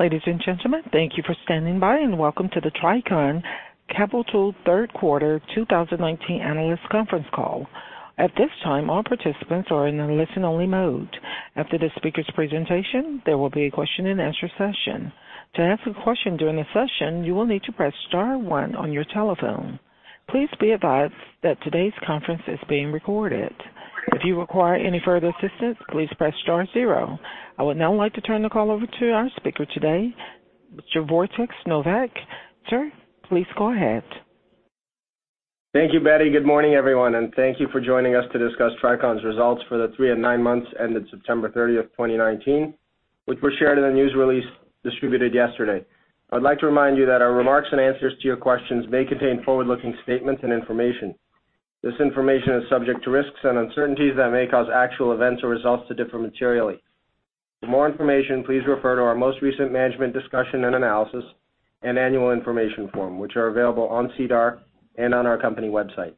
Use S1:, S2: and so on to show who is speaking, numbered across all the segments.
S1: Ladies and gentlemen, thank you for standing by, and welcome to the Tricon Capital third quarter 2019 analyst conference call. At this time, all participants are in a listen-only mode. After the speaker's presentation, there will be a question and answer session. To ask a question during the session, you will need to press star one on your telephone. Please be advised that today's conference is being recorded. If you require any further assistance, please press star zero. I would now like to turn the call over to our speaker today, Mr. Wojtek Nowak. Sir, please go ahead.
S2: Thank you, Betty. Good morning, everyone, and thank you for joining us to discuss Tricon's results for the three and nine months ended September 30th, 2019, which were shared in a news release distributed yesterday. I would like to remind you that our remarks and answers to your questions may contain forward-looking statements and information. This information is subject to risks and uncertainties that may cause actual events or results to differ materially. For more information, please refer to our most recent Management Discussion and Analysis and annual information form, which are available on SEDAR and on our company website.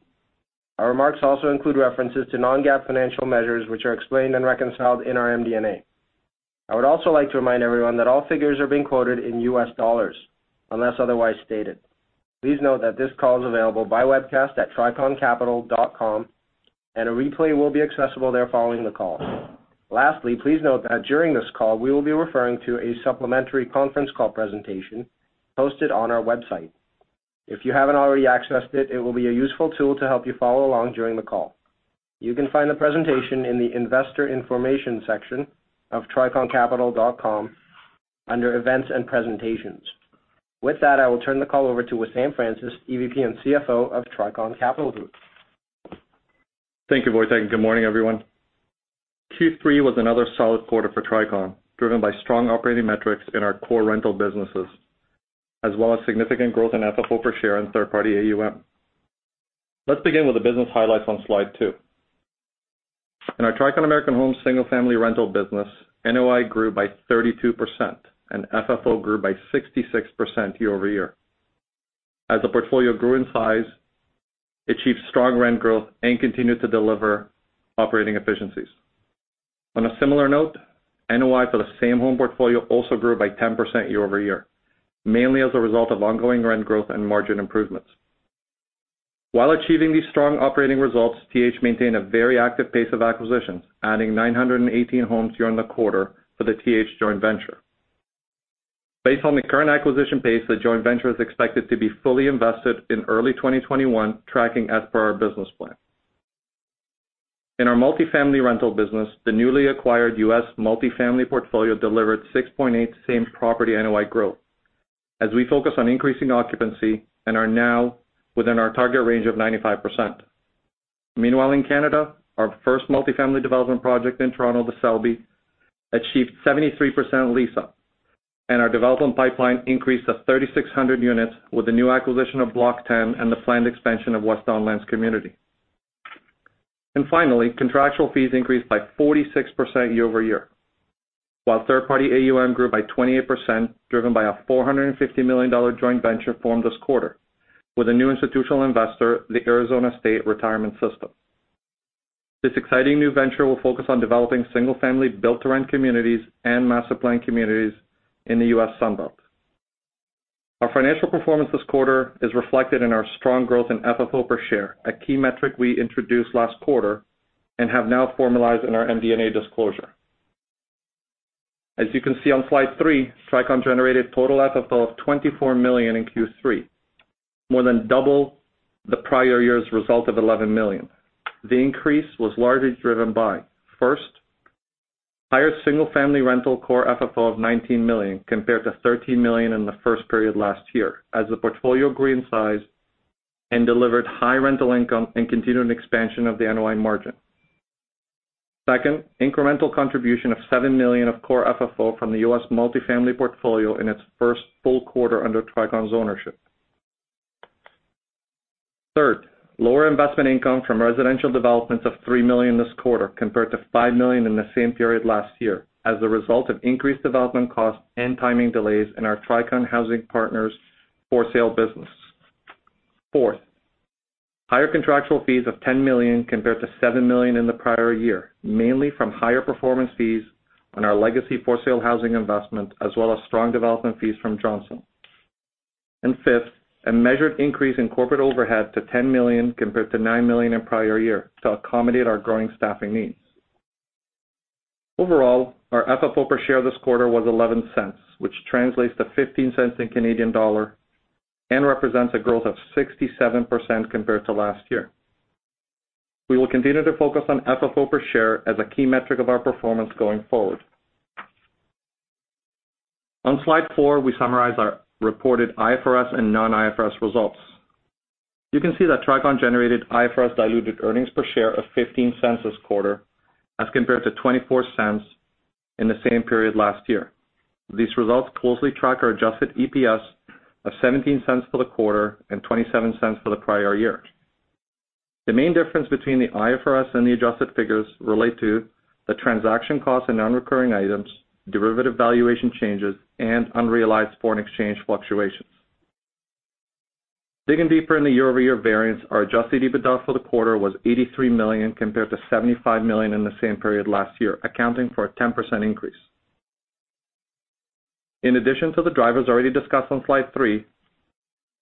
S2: Our remarks also include references to non-GAAP financial measures which are explained and reconciled in our MD&A. I would also like to remind everyone that all figures are being quoted in U.S. dollars unless otherwise stated. Please note that this call is available by webcast at triconcapital.com, and a replay will be accessible there following the call. Lastly, please note that during this call, we will be referring to a supplementary conference call presentation posted on our website. If you haven't already accessed it will be a useful tool to help you follow along during the call. You can find the presentation in the investor information section of triconcapital.com under events and presentations. With that, I will turn the call over to Wissam Francis, EVP and CFO of Tricon Capital Group.
S3: Thank you, Wojtek, and good morning, everyone. Q3 was another solid quarter for Tricon, driven by strong operating metrics in our core rental businesses, as well as significant growth in FFO per share and third-party AUM. Let's begin with the business highlights on slide two. In our Tricon American Homes single-family rental business, NOI grew by 32%, and FFO grew by 66% year-over-year, as the portfolio grew in size, achieved strong rent growth, and continued to deliver operating efficiencies. On a similar note, NOI for the same home portfolio also grew by 10% year-over-year, mainly as a result of ongoing rent growth and margin improvements. While achieving these strong operating results, TAH maintained a very active pace of acquisitions, adding 918 homes during the quarter for the TAH joint venture. Based on the current acquisition pace, the joint venture is expected to be fully invested in early 2021, tracking as per our business plan. In our multifamily rental business, the newly acquired U.S. multifamily portfolio delivered 6.8 same-property NOI growth as we focus on increasing occupancy and are now within our target range of 95%. Meanwhile, in Canada, our first multifamily development project in Toronto, The Selby, achieved 73% lease up, our development pipeline increased to 3,600 units with the new acquisition of Block 10 and the planned expansion of West Don Lands Community. Finally, contractual fees increased by 46% year-over-year, while third-party AUM grew by 28%, driven by a 450 million dollar joint venture formed this quarter with a new institutional investor, the Arizona State Retirement System. This exciting new venture will focus on developing single-family built-to-rent communities and master planned communities in the U.S. Sun Belt. Our financial performance this quarter is reflected in our strong growth in FFO per share, a key metric we introduced last quarter and have now formalized in our MD&A disclosure. As you can see on slide three, Tricon generated total FFO of $24 million in Q3, more than double the prior year's result of $11 million. The increase was largely driven by, first, higher single-family rental core FFO of $19 million compared to $13 million in the first period last year as the portfolio grew in size and delivered high rental income and continued an expansion of the NOI margin. Second, incremental contribution of $7 million of core FFO from the U.S. multifamily portfolio in its first full quarter under Tricon's ownership. Third, lower investment income from residential developments of $3 million this quarter compared to $5 million in the same period last year as a result of increased development costs and timing delays in our Tricon Housing Partners for sale business. Fourth, higher contractual fees of $10 million compared to $7 million in the prior year, mainly from higher performance fees on our legacy for sale housing investment, as well as strong development fees from Johnson. Fifth, a measured increase in corporate overhead to $10 million compared to $9 million in prior year to accommodate our growing staffing needs. Overall, our FFO per share this quarter was $0.11, which translates to 0.15 and represents a growth of 67% compared to last year. We will continue to focus on FFO per share as a key metric of our performance going forward. On slide four, we summarize our reported IFRS and non-IFRS results. You can see that Tricon generated IFRS diluted earnings per share of $0.15 this quarter as compared to $0.24 in the same period last year. These results closely track our adjusted EPS of $0.17 for the quarter and $0.27 for the prior year. The main difference between the IFRS and the adjusted figures relate to the transaction costs and non-recurring items, derivative valuation changes, and unrealized foreign exchange fluctuations. Digging deeper in the year-over-year variance, our adjusted EBITDA for the quarter was $83 million compared to $75 million in the same period last year, accounting for a 10% increase. In addition to the drivers already discussed on slide three,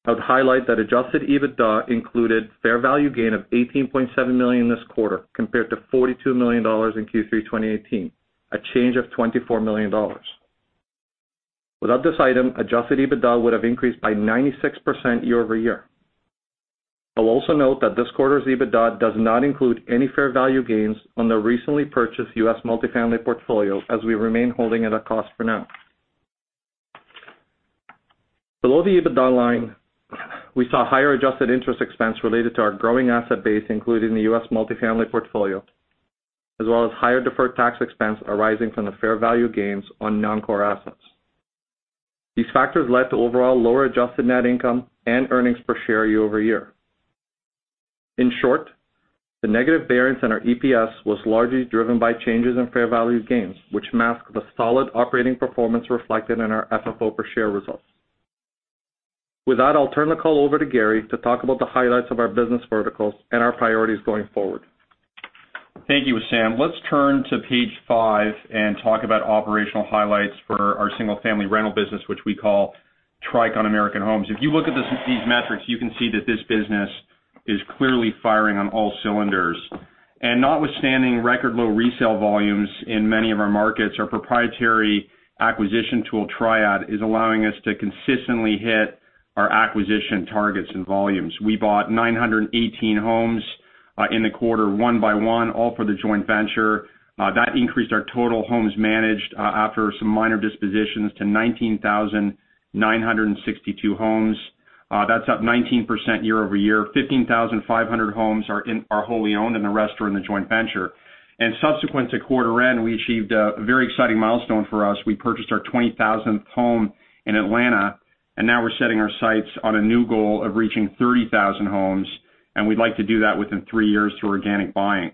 S3: I'd highlight that adjusted EBITDA included fair value gain of $18.7 million this quarter, compared to $42 million in Q3 2018, a change of $24 million. Without this item, adjusted EBITDA would have increased by 96% year-over-year. I'll also note that this quarter's EBITDA does not include any fair value gains on the recently purchased U.S. multifamily portfolio, as we remain holding at a cost for now. Below the EBITDA line, we saw higher adjusted interest expense related to our growing asset base, including the U.S. multifamily portfolio, as well as higher deferred tax expense arising from the fair value gains on non-core assets. These factors led to overall lower adjusted net income and earnings per share year-over-year. In short, the negative variance in our EPS was largely driven by changes in fair values gains, which mask the solid operating performance reflected in our FFO per share results. With that, I'll turn the call over to Gary to talk about the highlights of our business verticals and our priorities going forward.
S4: Thank you, Wissam. Let's turn to page five and talk about operational highlights for our single-family rental business, which we call Tricon American Homes. If you look at these metrics, you can see that this business is clearly firing on all cylinders. Notwithstanding record low resale volumes in many of our markets, our proprietary acquisition tool, TriAD, is allowing us to consistently hit our acquisition targets and volumes. We bought 918 homes in the quarter, one by one, all for the joint venture. That increased our total homes managed, after some minor dispositions, to 19,962 homes. That's up 19% year-over-year. 15,500 homes are wholly owned, and the rest are in the joint venture. Subsequent to quarter end, we achieved a very exciting milestone for us. We purchased our 20,000th home in Atlanta, and now we're setting our sights on a new goal of reaching 30,000 homes, and we'd like to do that within three years through organic buying.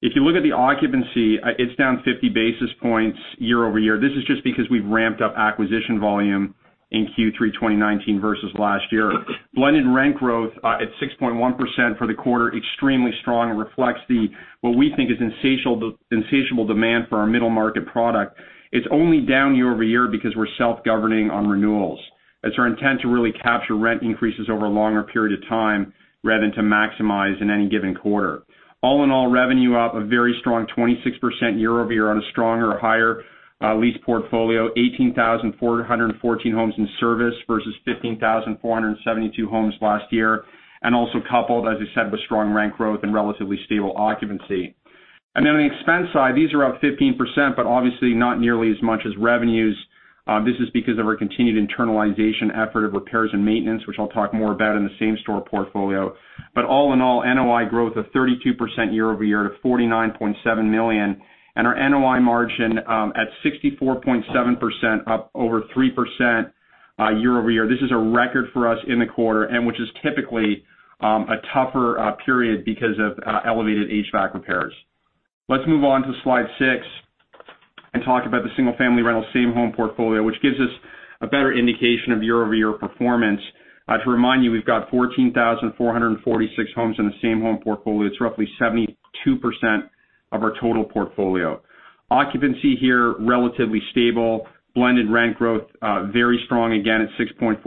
S4: If you look at the occupancy, it's down 50 basis points year-over-year. This is just because we've ramped up acquisition volume in Q3 2019 versus last year. Blended rent growth at 6.1% for the quarter, extremely strong, and reflects what we think is insatiable demand for our middle market product. It's only down year-over-year because we're self-governing on renewals. It's our intent to really capture rent increases over a longer period of time rather than to maximize in any given quarter. All in all, revenue up a very strong 26% year-over-year on a stronger higher lease portfolio. 18,414 homes in service versus 15,472 homes last year. Also coupled, as I said, with strong rent growth and relatively stable occupancy. On the expense side, these are up 15%, but obviously not nearly as much as revenues. This is because of our continued internalization effort of repairs and maintenance, which I'll talk more about in the same-store portfolio. All in all, NOI growth of 32% year-over-year to $49.7 million, and our NOI margin at 64.7%, up over 3% year-over-year. This is a record for us in the quarter, and which is typically a tougher period because of elevated HVAC repairs. Let's move on to slide six and talk about the single-family rental same home portfolio, which gives us a better indication of year-over-year performance. To remind you, we've got 14,446 homes in the same home portfolio. It's roughly 72% of our total portfolio. Occupancy here, relatively stable. Blended rent growth, very strong, again, at 6.4%.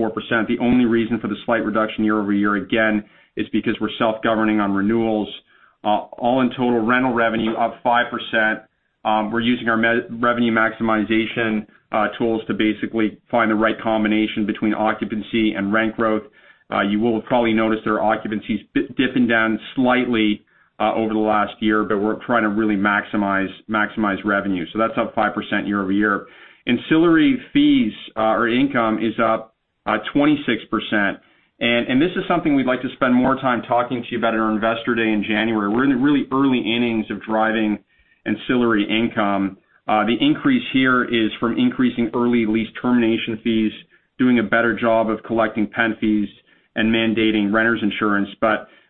S4: The only reason for the slight reduction year-over-year, again, is because we're self-governing on renewals. All in total, rental revenue up 5%. We're using our revenue maximization tools to basically find the right combination between occupancy and rent growth. You will probably notice their occupancy's dipping down slightly over the last year, but we're trying to really maximize revenue. That's up 5% year-over-year. Ancillary fees or income is up 26%. This is something we'd like to spend more time talking to you about at our Investor Day in January. We're in the really early innings of driving ancillary income. The increase here is from increasing early lease termination fees, doing a better job of collecting pet fees, and mandating renters insurance.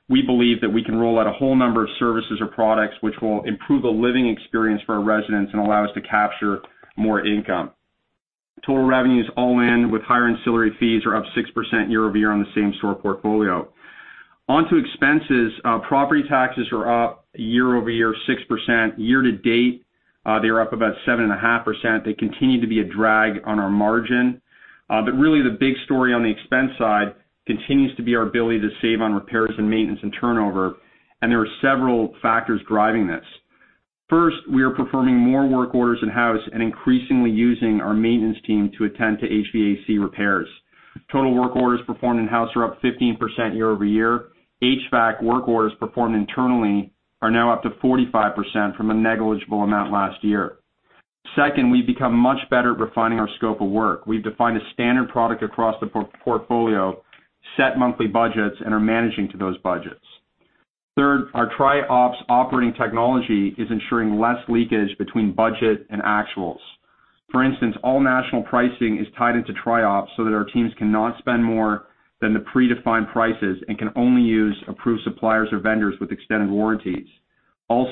S4: We believe that we can roll out a whole number of services or products which will improve the living experience for our residents and allow us to capture more income. Total revenues all in with higher ancillary fees are up 6% year-over-year on the same-store portfolio. On to expenses. Property taxes are up year-over-year 6%. Year-to-date, they are up about 7.5%. They continue to be a drag on our margin. Really the big story on the expense side continues to be our ability to save on repairs and maintenance and turnover, and there are several factors driving this. First, we are performing more work orders in-house and increasingly using our maintenance team to attend to HVAC repairs. Total work orders performed in-house are up 15% year-over-year. HVAC work orders performed internally are now up to 45% from a negligible amount last year. We've become much better at refining our scope of work. We've defined a standard product across the portfolio, set monthly budgets, and are managing to those budgets. Our TriOps operating technology is ensuring less leakage between budget and actuals. For instance, all national pricing is tied into TriOps so that our teams cannot spend more than the predefined prices and can only use approved suppliers or vendors with extended warranties. All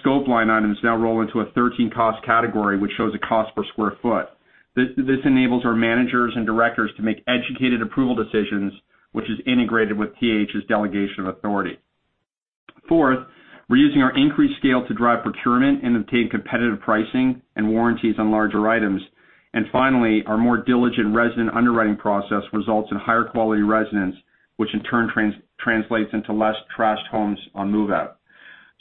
S4: scope line items now roll into a 13-cost category, which shows a cost per sq ft. This enables our managers and directors to make educated approval decisions, which is integrated with TAH's delegation of authority. We're using our increased scale to drive procurement and obtain competitive pricing and warranties on larger items. Finally, our more diligent resident underwriting process results in higher quality residents, which in turn translates into less trashed homes on move-out.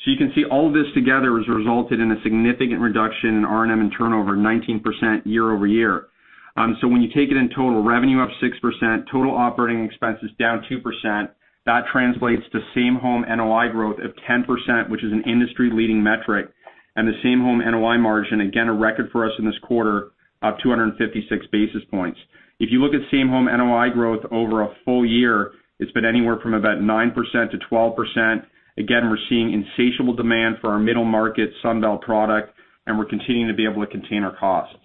S4: You can see all this together has resulted in a significant reduction in RM and turnover 19% year-over-year. When you take it in total, revenue up 6%, total operating expenses down 2%, that translates to same home NOI growth of 10%, which is an industry-leading metric, and the same home NOI margin, again, a record for us in this quarter, up 256 basis points. If you look at same home NOI growth over a full year, it's been anywhere from about 9% to 12%. Again, we're seeing insatiable demand for our middle market Sunbelt product, and we're continuing to be able to contain our costs.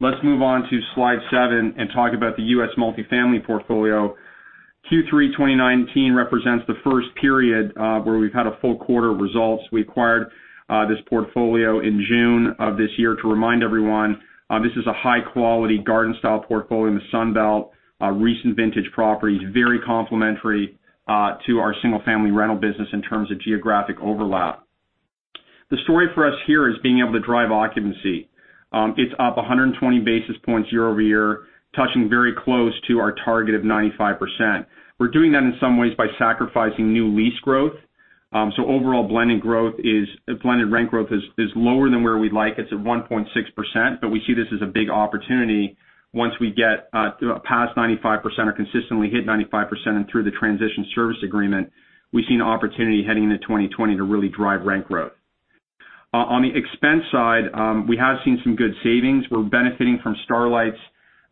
S4: Let's move on to Slide seven and talk about the U.S. multifamily portfolio. Q3 2019 represents the first period where we've had a full quarter of results. We acquired this portfolio in June of this year. To remind everyone, this is a high-quality garden-style portfolio in the Sunbelt. Recent vintage property, very complementary to our single-family rental business in terms of geographic overlap. The story for us here is being able to drive occupancy. It's up 120 basis points year-over-year, touching very close to our target of 95%. Overall blended rent growth is lower than where we'd like. It's at 1.6%, we see this as a big opportunity once we get past 95% or consistently hit 95% and through the transition service agreement, we see an opportunity heading into 2020 to really drive rent growth. On the expense side, we have seen some good savings. We're benefiting from Starlight's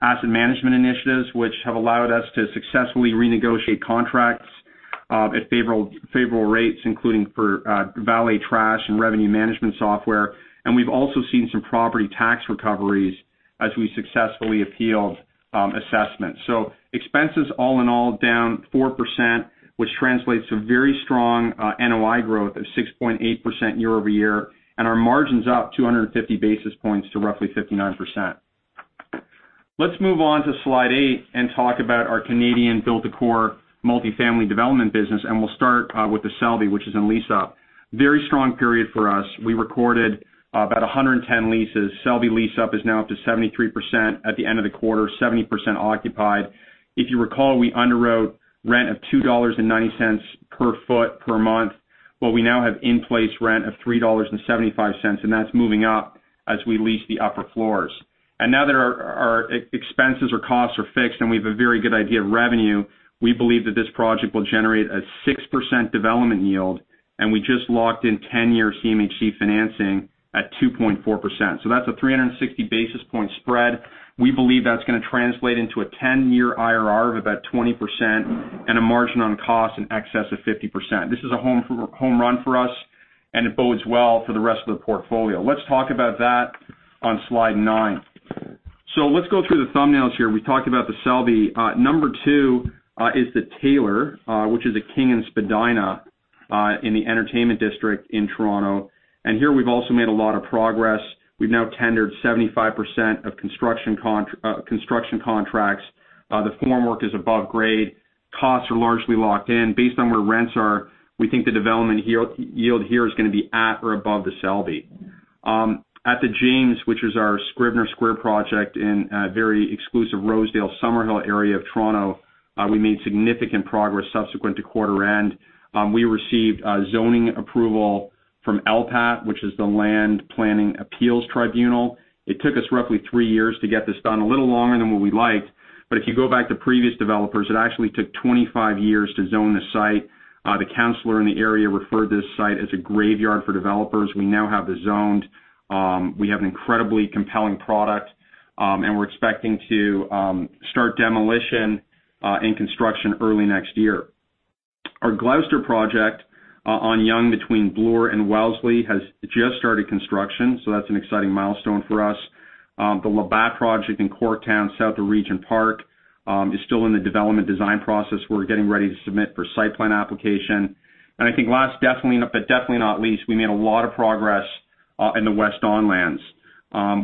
S4: asset management initiatives, which have allowed us to successfully renegotiate contracts at favorable rates, including for valet trash and revenue management software. We've also seen some property tax recoveries as we successfully appealed assessments. Expenses all in all down 4%, which translates to very strong NOI growth of 6.8% year-over-year, and our margins up 250 basis points to roughly 59%. Let's move on to Slide eight and talk about our Canadian build-to-core multifamily development business, and we'll start with The Selby, which is in lease-up. Very strong period for us. We recorded about 110 leases. Selby lease-up is now up to 73% at the end of the quarter, 70% occupied. If you recall, we underwrote rent of $2.90 per ft per month, but we now have in-place rent of $3.75, and that's moving up as we lease the upper floors. Now that our expenses or costs are fixed and we have a very good idea of revenue, we believe that this project will generate a 6% development yield, we just locked in 10-year CMHC financing at 2.4%. That's a 360 basis points spread. We believe that's going to translate into a 10-year IRR of about 20% and a margin on cost in excess of 50%. This is a home run for us, and it bodes well for the rest of the portfolio. Let's talk about that on Slide nine. Let's go through the thumbnails here. We talked about The Selby. Number two is The Taylor, which is at King and Spadina in the entertainment district in Toronto. Here we've also made a lot of progress. We've now tendered 75% of construction contracts. The form work is above grade. Costs are largely locked in. Based on where rents are, we think the development yield here is going to be at or above The Selby. At The James, which is our Scrivener Square project in a very exclusive Rosedale, Summerhill area of Toronto, we made significant progress subsequent to quarter end. We received zoning approval from LPAT, which is the Local Planning Appeal Tribunal. It took us roughly three years to get this done, a little longer than what we liked. If you go back to previous developers, it actually took 25 years to zone the site. The councilor in the area referred to this site as a graveyard for developers. We now have it zoned. We have an incredibly compelling product. We're expecting to start demolition and construction early next year. Our Gloucester project on Yonge between Bloor and Wellesley has just started construction. That's an exciting milestone for us. The Labatt project in Corktown, south of Regent Park, is still in the development design process. We're getting ready to submit for site plan application. I think last but definitely not least, we made a lot of progress in the West Don Lands.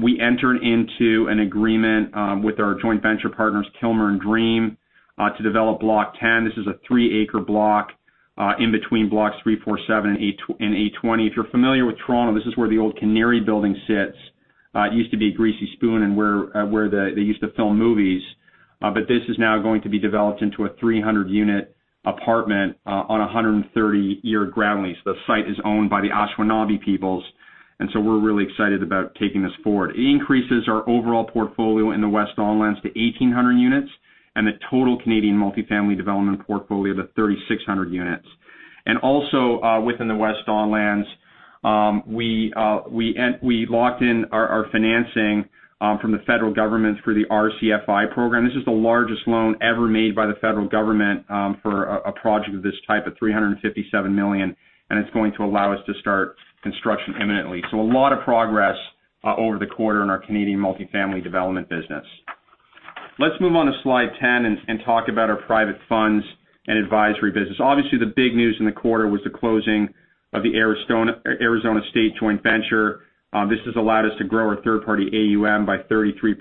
S4: We entered into an agreement with our joint venture partners, Kilmer and Dream, to develop Block 10. This is a three-acre block in between Blocks 3/4/7 and 8/20. If you're familiar with Toronto, this is where the old Canary building sits. It used to be Greasy Spoon and where they used to film movies. This is now going to be developed into a 300-unit apartment on 130-year ground lease. The site is owned by the Anishinaabe peoples, we're really excited about taking this forward. It increases our overall portfolio in the West Don Lands to 1,800 units and the total Canadian multifamily development portfolio to 3,600 units. Also within the West Don Lands, we locked in our financing from the federal government through the RCFI program. This is the largest loan ever made by the federal government for a project of this type at 357 million, and it's going to allow us to start construction imminently. A lot of progress over the quarter in our Canadian multifamily development business. Let's move on to slide 10 and talk about our private funds and advisory business. Obviously, the big news in the quarter was the closing of the Arizona State joint venture. This has allowed us to grow our third-party AUM by 33%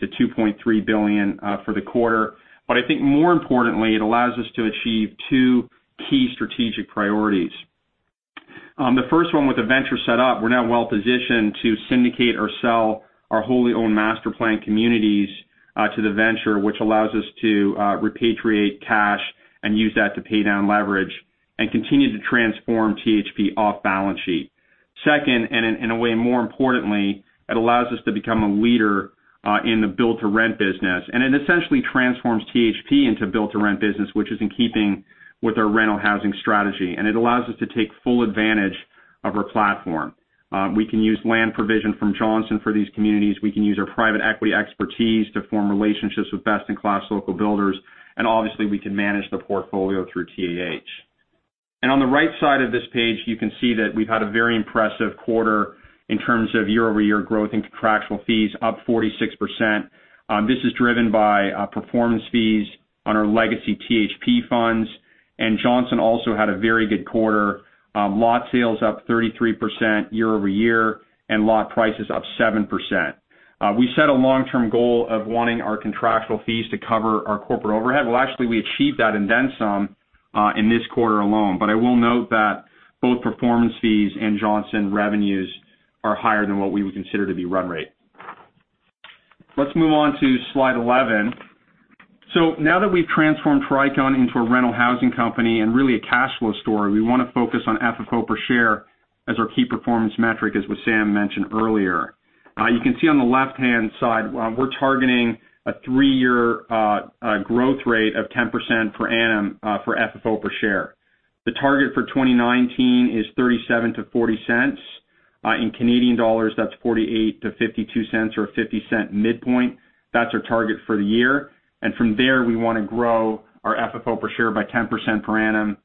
S4: to 2.3 billion for the quarter. I think more importantly, it allows us to achieve two key strategic priorities. The first one with the venture set up, we're now well-positioned to syndicate or sell our wholly owned master plan communities to the venture, which allows us to repatriate cash and use that to pay down leverage and continue to transform THP off balance sheet. Second, in a way more importantly, it allows us to become a leader in the build to rent business. It essentially transforms THP into a build to rent business, which is in keeping with our rental housing strategy. It allows us to take full advantage of our platform. We can use land provision from Johnson for these communities, we can use our private equity expertise to form relationships with best-in-class local builders, and obviously, we can manage the portfolio through TAH. On the right side of this page, you can see that we've had a very impressive quarter in terms of year-over-year growth in contractual fees up 46%. This is driven by performance fees on our legacy THP funds. Johnson also had a very good quarter. Lot sales up 33% year-over-year, and lot prices up 7%. We set a long-term goal of wanting our contractual fees to cover our corporate overhead. Well, actually, we achieved that and then some in this quarter alone. I will note that both performance fees and Johnson revenues are higher than what we would consider to be run rate. Let's move on to slide 11. Now that we've transformed Tricon into a rental housing company and really a cash flow story, we want to focus on FFO per share as our key performance metric, as am mentioned earlier. You can see on the left-hand side, we're targeting a three-year growth rate of 10% per annum for FFO per share. The target for 2019 is $0.37-$0.40. In Canadian dollars, that's 0.48-0.52 or a 0.50 midpoint. That's our target for the year. From there, we want to grow our FFO per share by 10% per annum,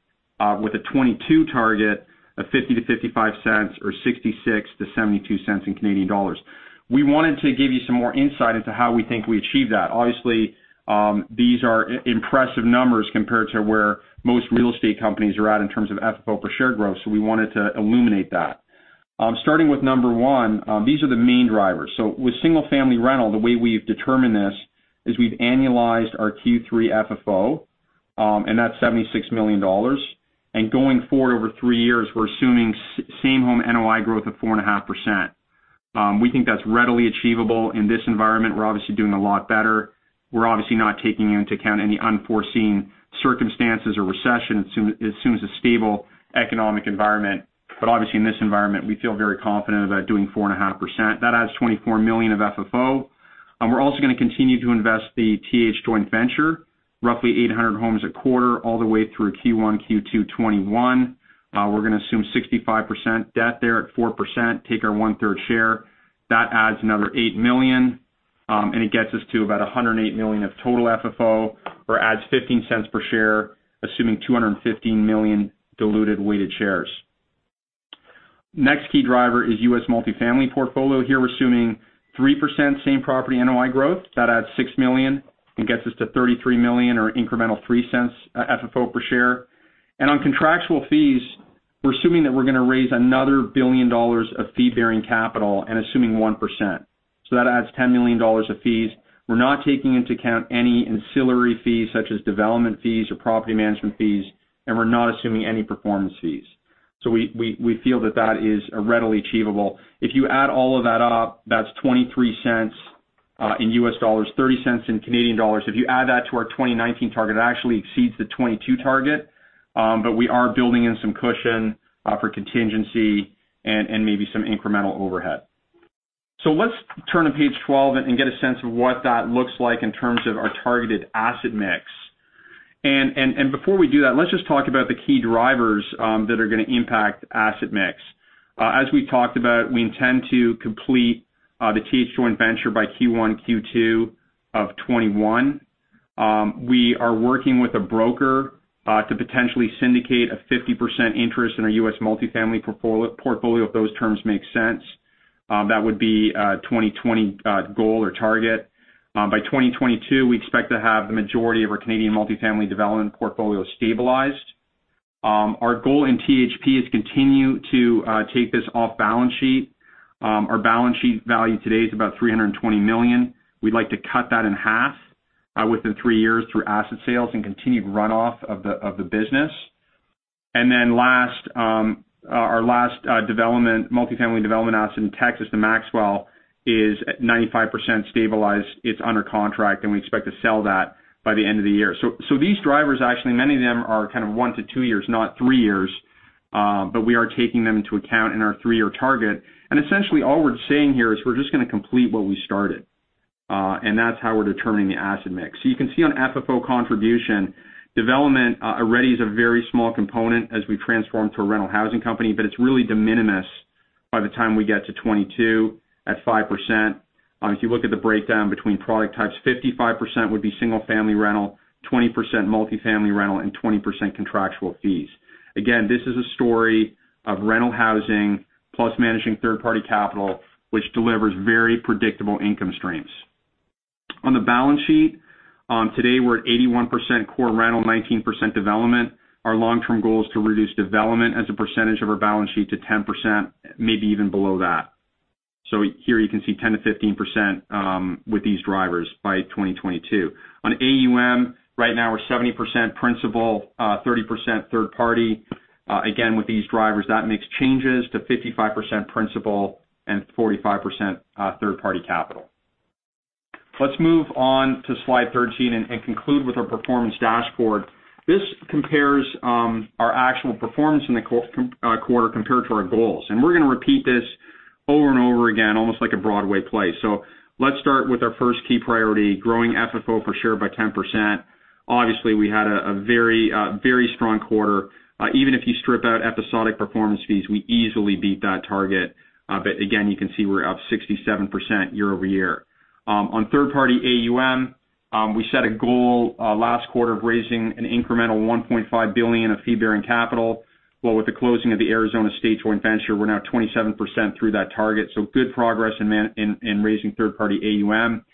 S4: with a 2022 target of $0.50-$0.55 or 0.66-0.72 in Canadian dollars. We wanted to give you some more insight into how we think we achieve that. Obviously, these are impressive numbers compared to where most real estate companies are at in terms of FFO per share growth. We wanted to illuminate that. Starting with number 1, these are the main drivers. With single-family rental, the way we've determined this is we've annualized our Q3 FFO, and that's $76 million. Going forward over three years, we're assuming same home NOI growth of 4.5%. We think that's readily achievable in this environment. We're obviously doing a lot better. We're obviously not taking into account any unforeseen circumstances or recession, assumes a stable economic environment. Obviously in this environment, we feel very confident about doing 4.5%. That adds $24 million of FFO. We're also going to continue to invest the TAH Joint Venture, roughly 800 homes a quarter, all the way through Q1, Q2 2021. We're going to assume 65% debt there at 4%, take our one-third share. That adds another $8 million, and it gets us to about $108 million of total FFO or adds $0.15 per share, assuming 215 million diluted weighted shares. Next key driver is U.S. multifamily portfolio. Here, we're assuming 3% same property NOI growth. That adds 6 million and gets us to 33 million or incremental 0.03 FFO per share. On contractual fees, we are assuming that we are going to raise another 1 billion dollars of fee-bearing capital and assuming 1%. That adds 10 million dollars of fees. We are not taking into account any ancillary fees such as development fees or property management fees, and we are not assuming any performance fees. We feel that that is readily achievable. If you add all of that up, that is $0.23, CAD 0.30. If you add that to our 2019 target, it actually exceeds the 2022 target. We are building in some cushion for contingency and maybe some incremental overhead. Let's turn to page 12 and get a sense of what that looks like in terms of our targeted asset mix. Before we do that, let's just talk about the key drivers that are going to impact asset mix. As we've talked about, we intend to complete the TAH joint venture by Q1, Q2 of 2021. We are working with a broker to potentially syndicate a 50% interest in our U.S. Multifamily portfolio, if those terms make sense. That would be a 2020 goal or target. By 2022, we expect to have the majority of our Canadian multifamily development portfolio stabilized. Our goal in THP is continue to take this off balance sheet. Our balance sheet value today is about $320 million. We'd like to cut that in half within three years through asset sales and continued runoff of the business. Our last multifamily development asset in Texas, The Maxwell, is at 95% stabilized. It's under contract. We expect to sell that by the end of the year. These drivers, actually, many of them are kind of one to two years, not three years. We are taking them into account in our three-year target. Essentially, all we're saying here is we're just going to complete what we started. That's how we're determining the asset mix. You can see on FFO contribution, development already is a very small component as we transform to a rental housing company, but it's really de minimis by the time we get to 2022 at 5%. If you look at the breakdown between product types, 55% would be single-family rental, 20% multifamily rental, and 20% contractual fees. Again, this is a story of rental housing plus managing third-party capital, which delivers very predictable income streams. On the balance sheet, today we're at 81% core rental, 19% development. Our long-term goal is to reduce development as a percentage of our balance sheet to 10%, maybe even below that. Here you can see 10%-15% with these drivers by 2022. On AUM, right now we're 70% principal, 30% third party. Again, with these drivers, that makes changes to 55% principal and 45% third-party capital. Let's move on to slide 13 and conclude with our performance dashboard. This compares our actual performance in the quarter compared to our goals. We're going to repeat this over and over again, almost like a Broadway play. Let's start with our first key priority, growing FFO per share by 10%. Obviously, we had a very strong quarter. Even if you strip out episodic performance fees, we easily beat that target. Again, you can see we're up 67% year-over-year. On third-party AUM, we set a goal last quarter of raising an incremental 1.5 billion of fee-bearing capital. With the closing of the Arizona State Joint Venture, we're now 27% through that target, so good progress in raising third-party AUM.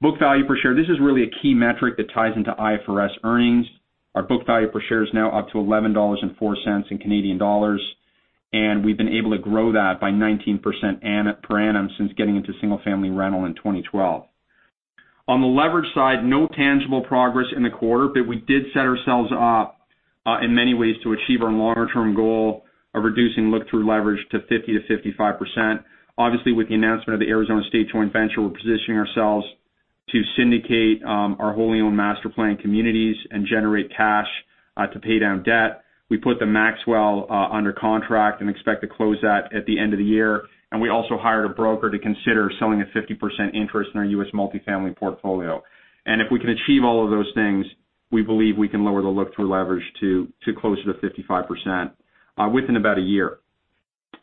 S4: Book value per share. This is really a key metric that ties into IFRS earnings. Our book value per share is now up to 11.04 dollars, and we've been able to grow that by 19% per annum since getting into single-family rental in 2012. On the leverage side, no tangible progress in the quarter, but we did set ourselves up, in many ways, to achieve our longer-term goal of reducing look-through leverage to 50%-55%. Obviously, with the announcement of the Arizona State Joint Venture, we're positioning ourselves to syndicate our wholly-owned master plan communities and generate cash to pay down debt. We put The Maxwell under contract and expect to close that at the end of the year. We also hired a broker to consider selling a 50% interest in our U.S. multifamily portfolio. If we can achieve all of those things, we believe we can lower the look-through leverage to closer to 55% within about a year.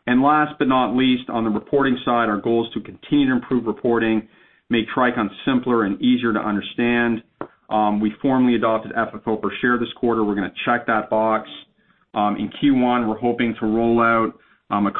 S4: Last but not least, on the reporting side, our goal is to continue to improve reporting, make Tricon simpler and easier to understand. We formally adopted FFO per share this quarter. We're going to check that box. In Q1, we're hoping to roll out a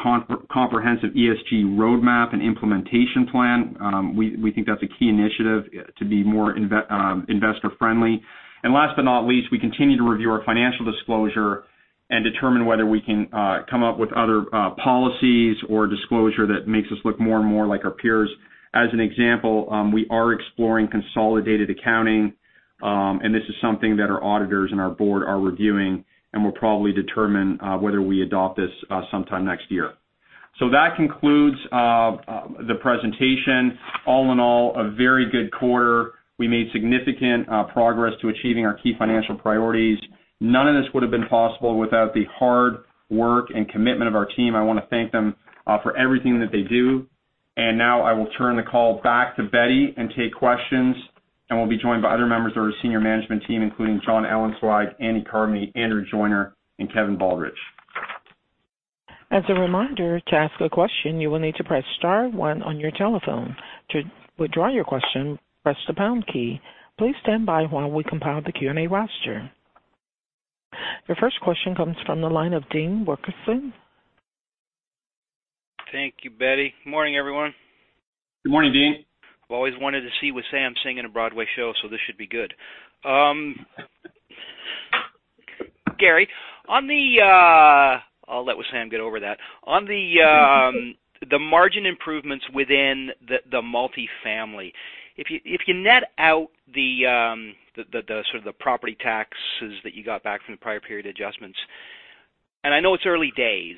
S4: comprehensive ESG roadmap and implementation plan. We think that's a key initiative to be more investor friendly. Last but not least, we continue to review our financial disclosure and determine whether we can come up with other policies or disclosure that makes us look more and more like our peers. As an example, we are exploring consolidated accounting, and this is something that our auditors and our board are reviewing, and we'll probably determine whether we adopt this sometime next year. That concludes the presentation. All in all, a very good quarter. We made significant progress to achieving our key financial priorities. None of this would've been possible without the hard work and commitment of our team. I want to thank them for everything that they do. Now I will turn the call back to Betty and take questions, and we'll be joined by other members of our senior management team, including Jonathan Ellenzweig, Andy Carmody, Andrew Joyner, and Kevin Baldridge.
S1: As a reminder, to ask a question, you will need to press star one on your telephone. To withdraw your question, press the pound key. Please stand by while we compile the Q&A roster. Your first question comes from the line of Dean Wilkinson.
S5: Thank you, Betty. Morning, everyone.
S4: Good morning, Dean.
S5: I've always wanted to see Wissam sing in a Broadway show. This should be good. Gary, I'll let Wissam get over that. On the margin improvements within the multi-family, if you net out the sort of the property taxes that you got back from the prior period adjustments, I know it's early days,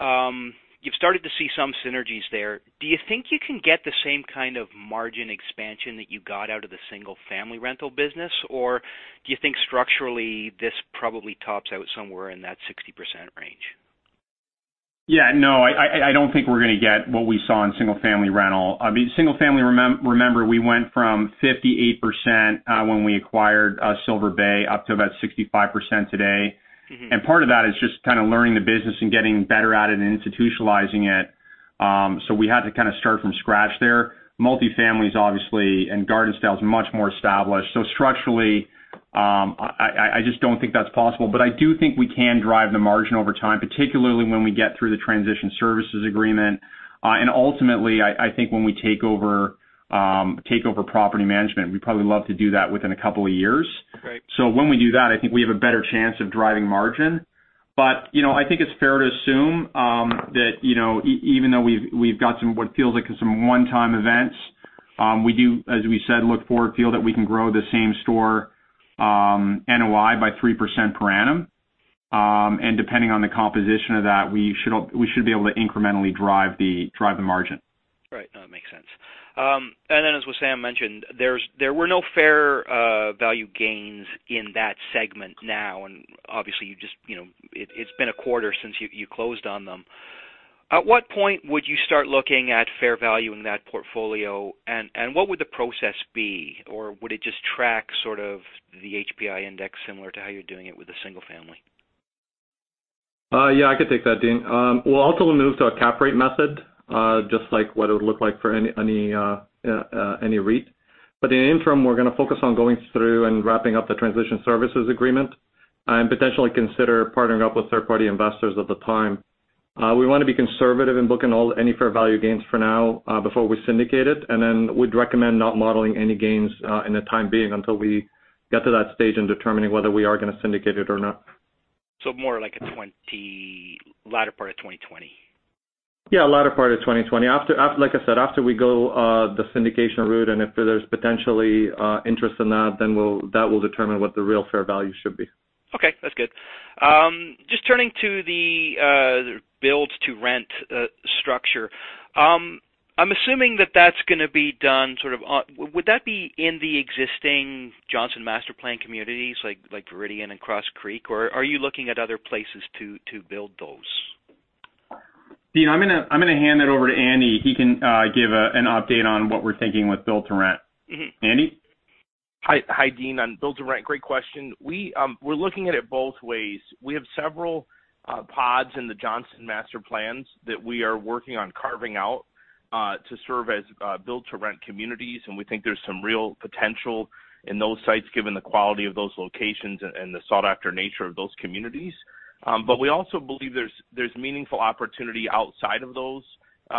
S5: you've started to see some synergies there. Do you think you can get the same kind of margin expansion that you got out of the single-family rental business, or do you think structurally this probably tops out somewhere in that 60% range?
S4: No, I don't think we're going to get what we saw in single-family rental. I mean, single family, remember, we went from 58% when we acquired Silver Bay up to about 65% today. Part of that is just kind of learning the business and getting better at it and institutionalizing it. We had to kind of start from scratch there. Multifamily is obviously, and garden style, is much more established. Structurally, I just don't think that's possible. I do think we can drive the margin over time, particularly when we get through the transition services agreement. Ultimately, I think when we take over property management, we'd probably love to do that within a couple of years.
S5: Right.
S4: When we do that, I think we have a better chance of driving margin. I think it's fair to assume that even though we've got some what feels like some one-time events, we do, as we said, look forward, feel that we can grow the same store NOI by 3% per annum. Depending on the composition of that, we should be able to incrementally drive the margin.
S5: Right. No, it makes sense. Then as Wissam mentioned, there were no fair value gains in that segment now, and obviously it's been a quarter since you closed on them. At what point would you start looking at fair value in that portfolio, and what would the process be? Would it just track sort of the HPI index similar to how you're doing it with the single-family?
S3: Yeah, I can take that, Dean. We'll also move to a cap rate method, just like what it would look like for any REIT. In the interim, we're going to focus on going through and wrapping up the transition services agreement and potentially consider partnering up with third-party investors at the time. We want to be conservative in booking any fair value gains for now before we syndicate it, we'd recommend not modeling any gains in the time being until we get to that stage in determining whether we are going to syndicate it or not.
S5: More like latter part of 2020.
S3: Yeah, latter part of 2020. Like I said, after we go the syndication route, and if there's potentially interest in that, then that will determine what the real fair value should be.
S5: Okay, that's good. Just turning to the build-to-rent structure. I'm assuming that that's going to be done sort of. Would that be in the existing Johnson Master-Planned communities like Viridian and Cross Creek? Are you looking at other places to build those?
S4: Dean, I'm going to hand that over to Andy. He can give an update on what we're thinking with build to rent. Andy?
S6: Hi, Dean. On build to rent, great question. We're looking at it both ways. We have several pods in the Johnson Master Plans that we are working on carving out to serve as build-to-rent communities. We think there's some real potential in those sites given the quality of those locations and the sought-after nature of those communities. We also believe there's meaningful opportunity outside of those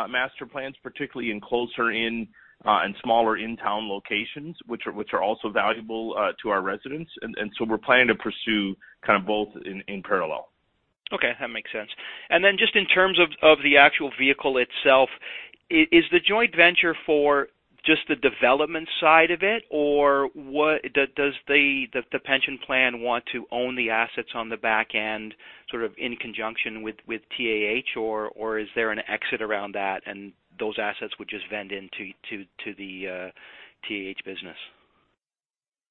S6: master plans, particularly in closer in and smaller in-town locations, which are also valuable to our residents. We're planning to pursue kind of both in parallel.
S5: Okay, that makes sense. Then just in terms of the actual vehicle itself, is the joint venture for just the development side of it? Does the pension plan want to own the assets on the back end, sort of in conjunction with TAH? Is there an exit around that and those assets would just vend into the TAH business?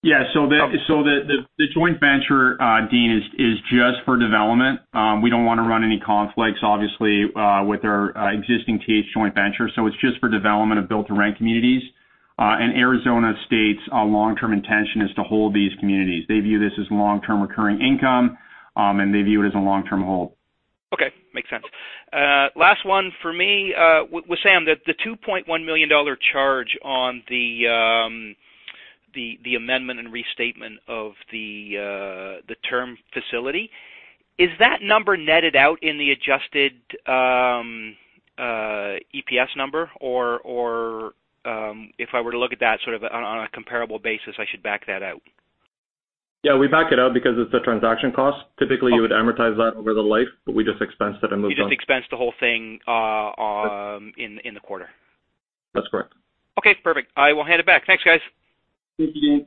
S4: Yeah. The joint venture, Dean, is just for development. We don't want to run any conflicts, obviously, with our existing TAH joint venture, so it's just for development of build-to-rent communities. Arizona State's long-term intention is to hold these communities. They view this as long-term recurring income, and they view it as a long-term hold.
S5: Okay, makes sense. Last one for me. Wissam, the $2.1 million charge on the amendment and restatement of the term facility. Is that number netted out in the adjusted EPS number? If I were to look at that sort of on a comparable basis, I should back that out?
S3: Yeah, we back it out because it's a transaction cost. Typically, you would amortize that over the life, but we just expensed it and moved on.
S5: You just expensed the whole thing in the quarter.
S3: That's correct.
S5: Okay, perfect. I will hand it back. Thanks, guys.
S6: Thank you,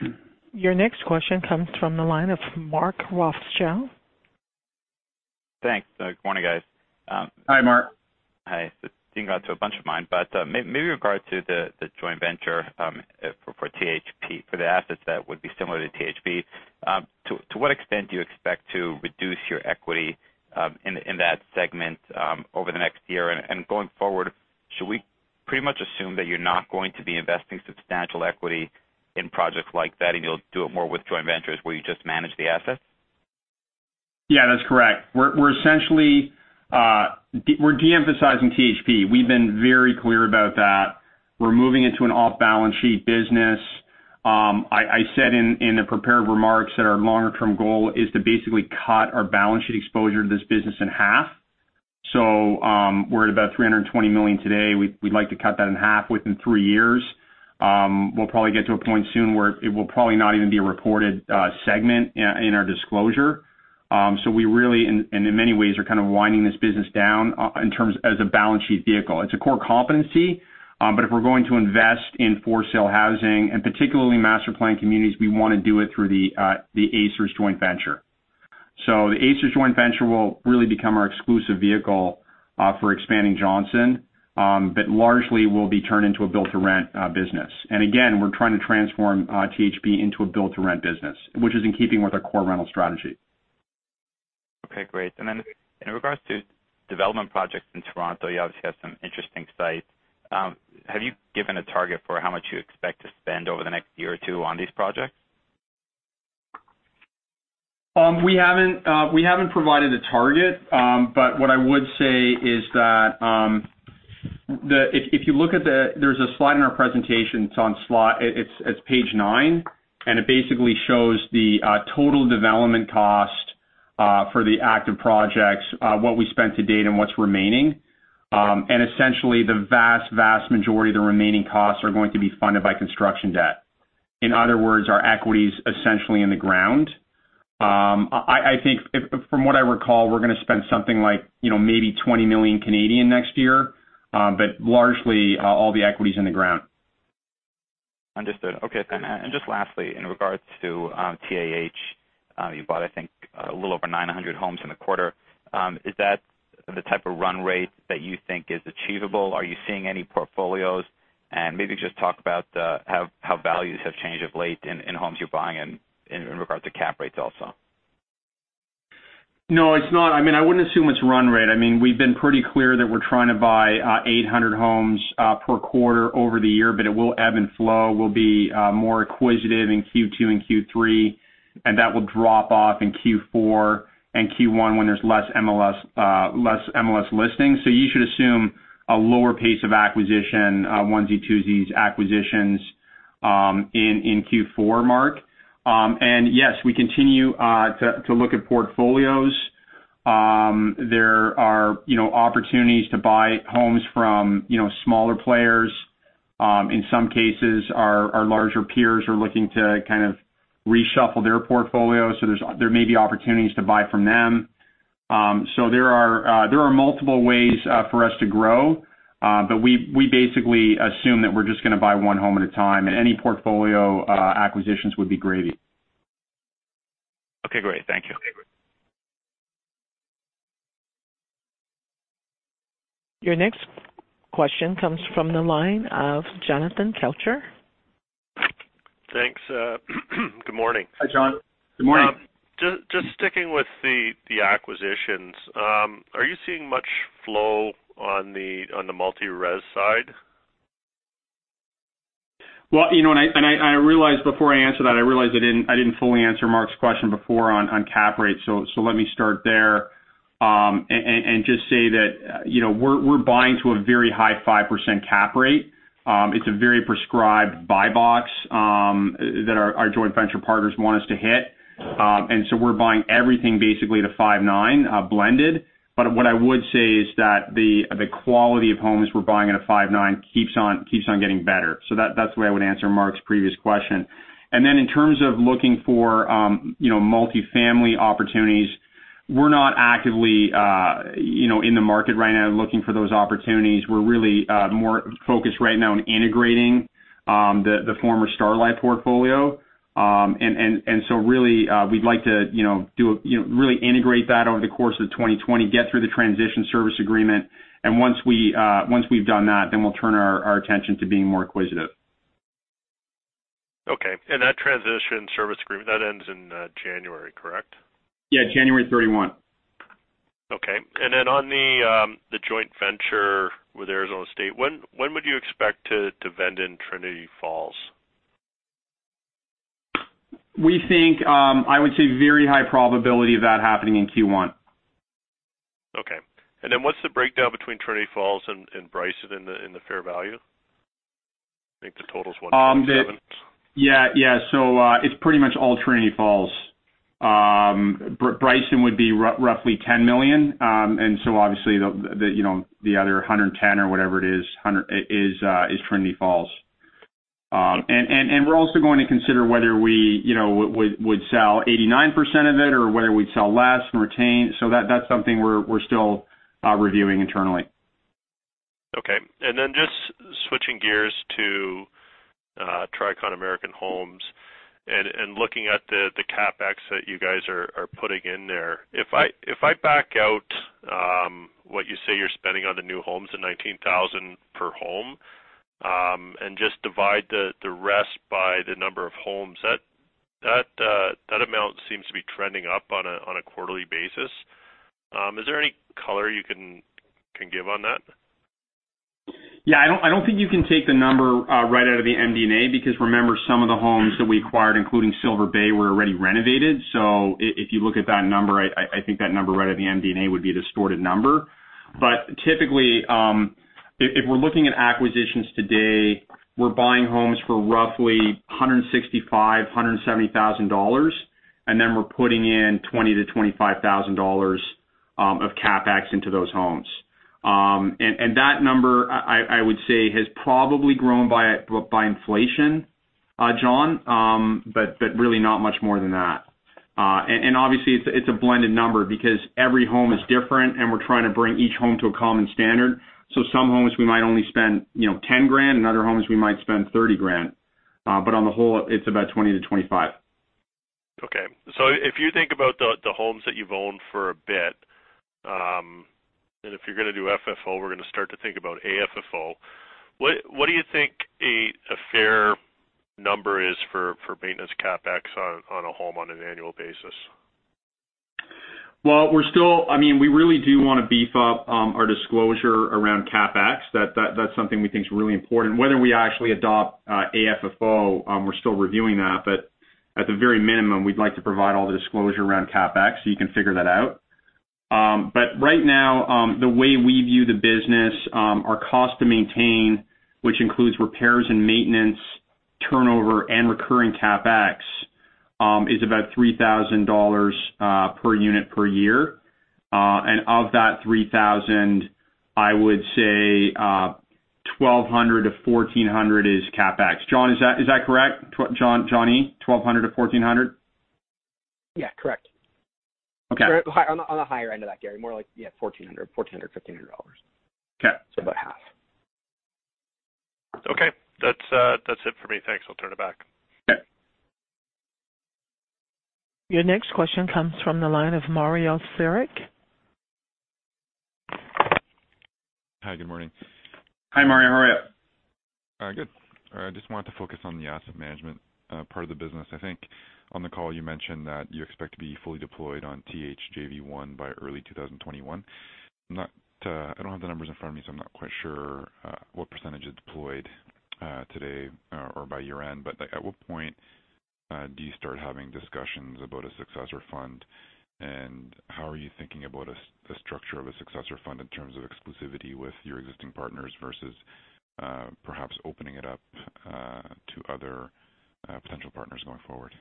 S6: Dean.
S1: Your next question comes from the line of Mark Rothschild.
S7: Thanks. Good morning, guys.
S4: Hi, Mark.
S7: Hi. Dean got to a bunch of mine. Maybe in regard to the joint venture for the assets that would be similar to THP. To what extent do you expect to reduce your equity in that segment over the next year? Going forward, should we pretty much assume that you're not going to be investing substantial equity in projects like that, and you'll do it more with joint ventures where you just manage the assets?
S4: Yeah, that's correct. We're de-emphasizing THP. We've been very clear about that. We're moving into an off-balance sheet business. I said in the prepared remarks that our longer-term goal is to basically cut our balance sheet exposure to this business in half. We're at about 320 million today. We'd like to cut that in half within three years. We'll probably get to a point soon where it will probably not even be a reported segment in our disclosure. We really, and in many ways, are kind of winding this business down in terms as a balance sheet vehicle. It's a core competency, but if we're going to invest in for-sale housing and particularly master plan communities, we want to do it through the ACERS joint venture. The ACERS joint venture will really become our exclusive vehicle for expanding Johnson. Largely will be turned into a build-to-rent business. Again, we're trying to transform THP into a build-to-rent business, which is in keeping with our core rental strategy.
S7: Okay, great. In regards to development projects in Toronto, you obviously have some interesting sites. Have you given a target for how much you expect to spend over the next year or two on these projects?
S4: We haven't provided a target. What I would say is that if you look at the slide in our presentation. It's page nine, and it basically shows the total development cost for the active projects, what we spent to date, and what's remaining. Essentially, the vast majority of the remaining costs are going to be funded by construction debt. In other words, our equity's essentially in the ground. I think from what I recall, we're going to spend something like maybe 20 million next year. Largely, all the equity's in the ground.
S7: Understood. Okay. Just lastly, in regards to TAH, you bought I think a little over 900 homes in the quarter. Is that the type of run rate that you think is achievable? Are you seeing any portfolios? Maybe just talk about how values have changed of late in homes you're buying and in regard to cap rates also.
S4: No, it's not. I wouldn't assume it's run rate. We've been pretty clear that we're trying to buy 800 homes per quarter over the year, but it will ebb and flow. We'll be more acquisitive in Q2 and Q3, and that will drop off in Q4 and Q1 when there's less MLS listings. You should assume a lower pace of acquisition, onesie-twosies acquisitions, in Q4, Mark. Yes, we continue to look at portfolios. There are opportunities to buy homes from smaller players. In some cases, our larger peers are looking to kind of reshuffle their portfolio, so there may be opportunities to buy from them. There are multiple ways for us to grow. We basically assume that we're just going to buy one home at a time, and any portfolio acquisitions would be gravy.
S7: Okay, great. Thank you.
S1: Your next question comes from the line of Jonathan Kelcher.
S8: Thanks. Good morning.
S4: Hi, Jon.
S9: Good morning.
S8: Just sticking with the acquisitions, are you seeing much flow on the multi-res side?
S4: Before I answer that, I realized I didn't fully answer Mark's question before on cap rate. Let me start there, and just say that we're buying to a very high 5% cap rate. It's a very prescribed buy box that our joint venture partners want us to hit. We're buying everything basically to 5.9 blended. What I would say is that the quality of homes we're buying at a 5.9 keeps on getting better. That's the way I would answer Mark's previous question. In terms of looking for multifamily opportunities, we're not actively in the market right now looking for those opportunities. We're really more focused right now on integrating the former Starlight portfolio. Really, we'd like to really integrate that over the course of 2020, get through the transition service agreement, and once we've done that, then we'll turn our attention to being more acquisitive.
S8: Okay. That transition service agreement, that ends in January, correct?
S4: Yeah, January 31.
S8: Okay. Then on the joint venture with Arizona State, when would you expect to vend in Trinity Falls?
S4: We think, I would say very high probability of that happening in Q1.
S8: Okay. What's the breakdown between Trinity Falls and Bryson in the fair value? I think the total is $127.
S4: It's pretty much all Trinity Falls. Bryson would be roughly $10 million. Obviously, the other $110 million or whatever it is Trinity Falls. We're also going to consider whether we would sell 89% of it or whether we'd sell less and retain. That's something we're still reviewing internally.
S8: Okay. Just switching gears to Tricon American Homes and looking at the CapEx that you guys are putting in there. If I back out what you say you're spending on the new homes at $19,000 per home, and just divide the rest by the number of homes, that amount seems to be trending up on a quarterly basis. Is there any color you can give on that?
S4: I don't think you can take the number right out of the MD&A, because remember, some of the homes that we acquired, including Silver Bay, were already renovated. If you look at that number, I think that number right of the MD&A would be the distorted number. Typically, if we're looking at acquisitions today, we're buying homes for roughly $165,000, $170,000, and then we're putting in $20,000-$25,000 of CapEx into those homes. That number, I would say, has probably grown by inflation, Jon, but really not much more than that. Obviously, it's a blended number because every home is different, and we're trying to bring each home to a common standard. Some homes we might only spend $10,000, and other homes we might spend $30,000. On the whole, it's about $20,000-$25,000.
S8: Okay. If you think about the homes that you've owned for a bit, and if you're going to do FFO, we're going to start to think about AFFO. What do you think a fair number is for maintenance CapEx on a home on an annual basis?
S4: We really do want to beef up our disclosure around CapEx. That's something we think is really important. Whether we actually adopt AFFO, we're still reviewing that. At the very minimum, we'd like to provide all the disclosure around CapEx so you can figure that out. Right now, the way we view the business, our cost to maintain, which includes repairs and maintenance, turnover, and recurring CapEx, is about $3,000 per unit per year. Of that 3,000, I would say $1,200-$1,400 is CapEx. Jon, is that correct? Jonny, $1,200-$1,400?
S9: Yeah, correct.
S4: Okay.
S9: On the higher end of that, Gary. More like, yeah, $1,400, $1,500.
S4: Okay.
S9: About half.
S8: Okay. That's it for me. Thanks. I'll turn it back.
S4: Okay.
S1: Your next question comes from the line of Mario Saric.
S10: Hi. Good morning.
S4: Hi, Mario. How are you?
S10: Good. I just wanted to focus on the asset management part of the business. I think on the call, you mentioned that you expect to be fully deployed on TAH-JV1 by early 2021. I don't have the numbers in front of me. I'm not quite sure what percentage is deployed today or by year-end. At what point do you start having discussions about a successor fund? How are you thinking about the structure of a successor fund in terms of exclusivity with your existing partners versus perhaps opening it up to other potential partners going forward?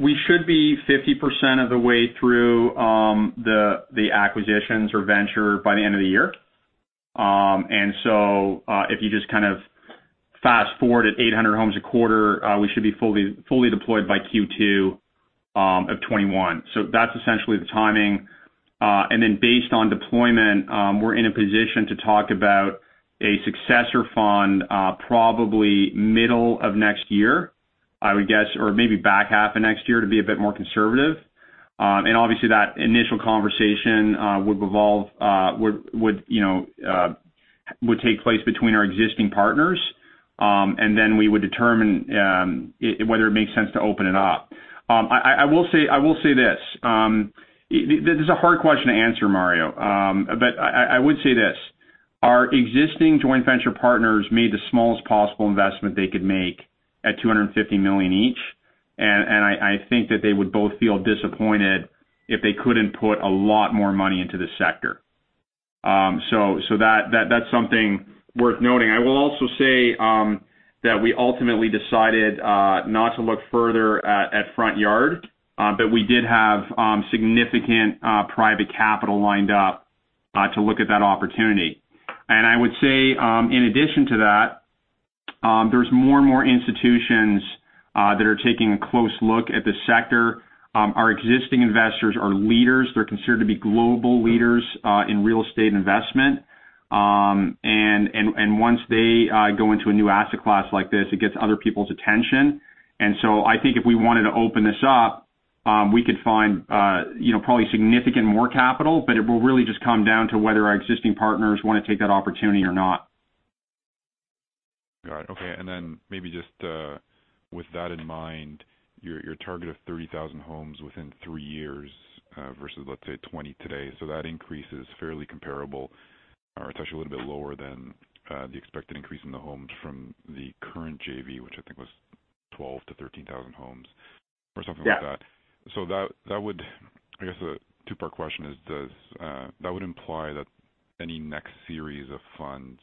S4: We should be 50% of the way through the acquisitions or venture by the end of the year. If you just kind of fast-forward at 800 homes a quarter, we should be fully deployed by Q2 of 2021. That's essentially the timing. Based on deployment, we're in a position to talk about a successor fund probably middle of next year, I would guess, or maybe back half of next year to be a bit more conservative. Obviously, that initial conversation would take place between our existing partners, and then we would determine whether it makes sense to open it up. This is a hard question to answer, Mario, but I would say this. Our existing joint venture partners made the smallest possible investment they could make at $250 million each, and I think that they would both feel disappointed if they couldn't put a lot more money into the sector. That's something worth noting. I will also say that we ultimately decided not to look further at Front Yard, but we did have significant private capital lined up to look at that opportunity. I would say, in addition to that, there's more and more institutions that are taking a close look at the sector. Our existing investors are leaders. They're considered to be global leaders in real estate investment. Once they go into a new asset class like this, it gets other people's attention. I think if we wanted to open this up, we could find probably significant more capital, but it will really just come down to whether our existing partners want to take that opportunity or not.
S10: Got it. Okay. Maybe just with that in mind, your target of 30,000 homes within three years versus, let's say, 20 today. That increase is fairly comparable, or it's actually a little bit lower than the expected increase in the homes from the current JV, which I think was 12,000-13,000 homes or something like that.
S4: Yeah.
S10: I guess a two-part question is, that would imply that any next series of funds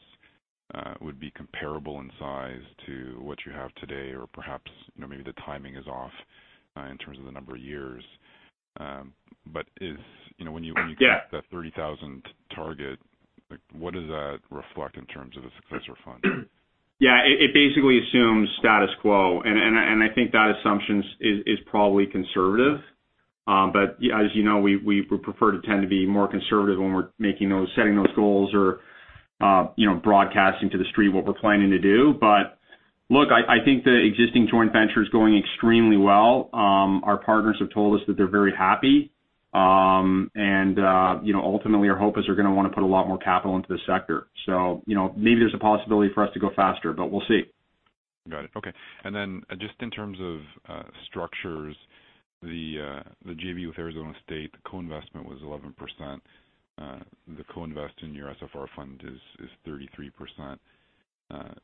S10: would be comparable in size to what you have today, or perhaps maybe the timing is off in terms of the number of years. When you-
S4: Yeah
S10: hit that 30,000 target, what does that reflect in terms of the successor fund?
S4: Yeah, it basically assumes status quo, and I think that assumption is probably conservative. As you know, we would prefer to tend to be more conservative when we're setting those goals or broadcasting to the street what we're planning to do. Look, I think the existing joint venture is going extremely well. Our partners have told us that they're very happy. Ultimately, our hope is they're going to want to put a lot more capital into the sector. Maybe there's a possibility for us to go faster, but we'll see.
S10: Got it. Okay. Just in terms of structures, the JV with Arizona State, the co-investment was 11%. The co-invest in your SFR fund is 33%.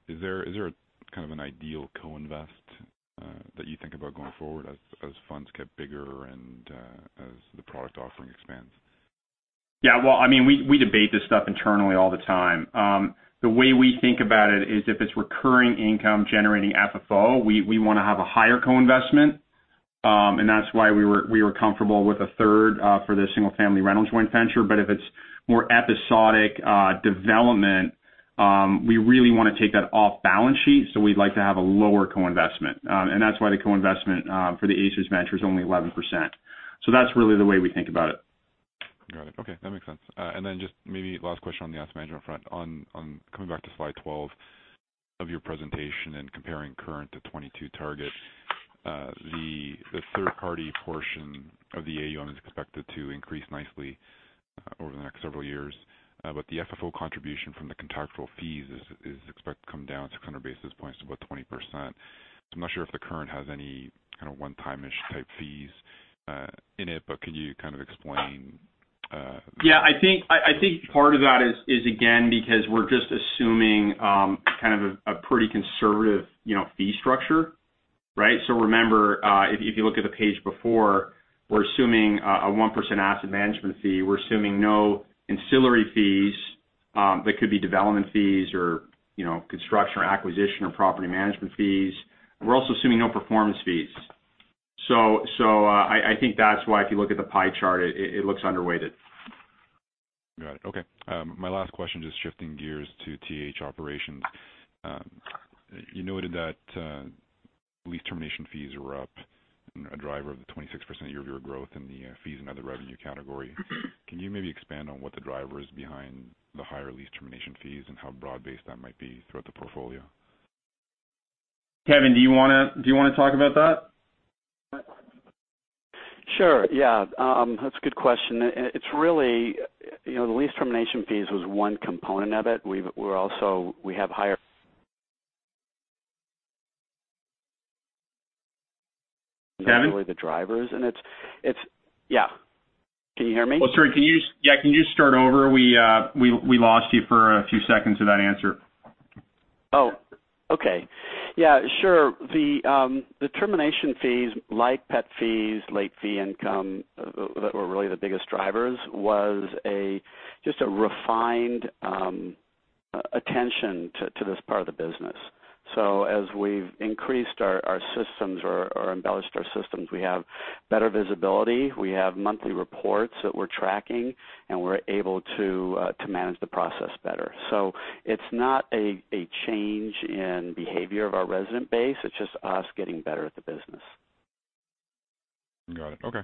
S10: Is there kind of an ideal co-invest that you think about going forward as funds get bigger and as the product offering expands?
S4: Yeah. Well, we debate this stuff internally all the time. The way we think about it is if it's recurring income generating FFO, we want to have a higher co-investment, and that's why we were comfortable with a third for the single-family rental joint venture. If it's more episodic development, we really want to take that off balance sheet. We'd like to have a lower co-investment. That's why the co-investment for the ACERS venture is only 11%. That's really the way we think about it.
S10: Got it. Okay. That makes sense. Just maybe last question on the asset management front. Coming back to slide 12 of your presentation and comparing current to 2022 target. The third-party portion of the AUM is expected to increase nicely over the next several years, but the FFO contribution from the contractual fees is expected to come down 600 basis points to about 20%. I'm not sure if the current has any kind of one-time-ish type fees in it, but can you kind of explain?
S4: Yeah. I think part of that is, again, because we're just assuming kind of a pretty conservative fee structure, right? Remember, if you look at the page before, we're assuming a 1% asset management fee. We're assuming no ancillary fees. That could be development fees or construction or acquisition or property management fees. We're also assuming no performance fees. I think that's why if you look at the pie chart, it looks underweighted.
S10: Got it. Okay. My last question, just shifting gears to TAH operations. You noted that lease termination fees were up, a driver of the 26% year-over-year growth in the fees and other revenue category. Can you maybe expand on what the driver is behind the higher lease termination fees and how broad-based that might be throughout the portfolio?
S4: Kevin, do you want to talk about that?
S11: Sure. Yeah. That's a good question. The lease termination fees was one component of it. We have higher-
S4: Kevin?
S11: -really the drivers, it's Yeah. Can you hear me?
S4: Well, sorry. Yeah, can you start over? We lost you for a few seconds of that answer.
S11: Oh, okay. Yeah, sure. The termination fees, like pet fees, late fee income, that were really the biggest drivers, was just a refined attention to this part of the business. As we've increased our systems or embellished our systems, we have better visibility, we have monthly reports that we're tracking, and we're able to manage the process better. It's not a change in behavior of our resident base, it's just us getting better at the business.
S10: Got it. Okay.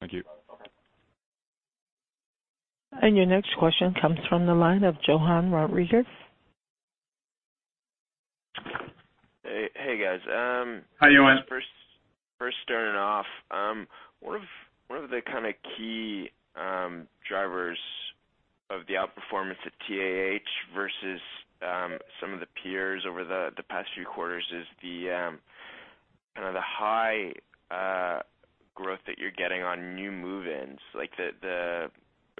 S10: Thank you.
S1: Your next question comes from the line of Johann Rodrigues.
S12: Hey, guys.
S4: Hi, Johann.
S12: First starting off, one of the kind of key drivers of the outperformance of TAH versus some of the peers over the past few quarters is the kind of the high growth that you're getting on new move-ins. Like, the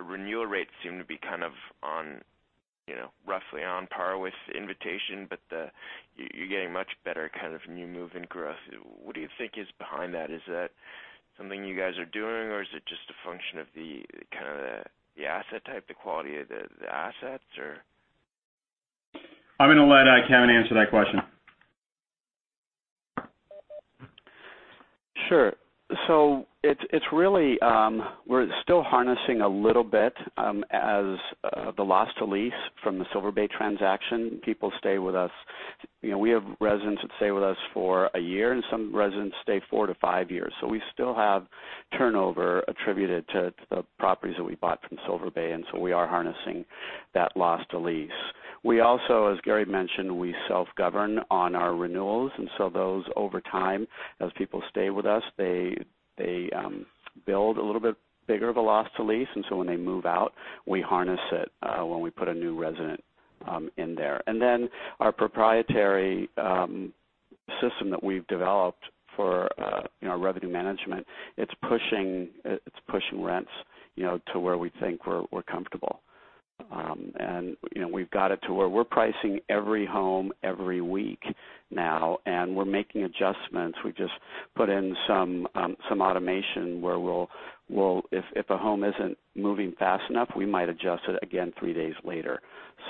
S12: renewal rates seem to be kind of roughly on par with Invitation. You're getting much better kind of new move-in growth. What do you think is behind that? Is that something you guys are doing, or is it just a function of the kind of the asset type, the quality of the assets or?
S4: I'm gonna let Kevin answer that question.
S11: Sure. It's really, we're still harnessing a little bit as the loss to lease from the Silver Bay transaction. People stay with us. We have residents that stay with us for a year, and some residents stay 4 to 5 years. We still have turnover attributed to the properties that we bought from Silver Bay, and so we are harnessing that loss to lease. We also, as Gary mentioned, we self-govern on our renewals, and so those over time, as people stay with us, they build a little bit bigger of a loss to lease, and so when they move out, we harness it when we put a new resident in there. Our proprietary system that we've developed for our revenue management, it's pushing rents to where we think we're comfortable. We've got it to where we're pricing every home every week now, and we're making adjustments. We just put in some automation where if a home isn't moving fast enough, we might adjust it again three days later.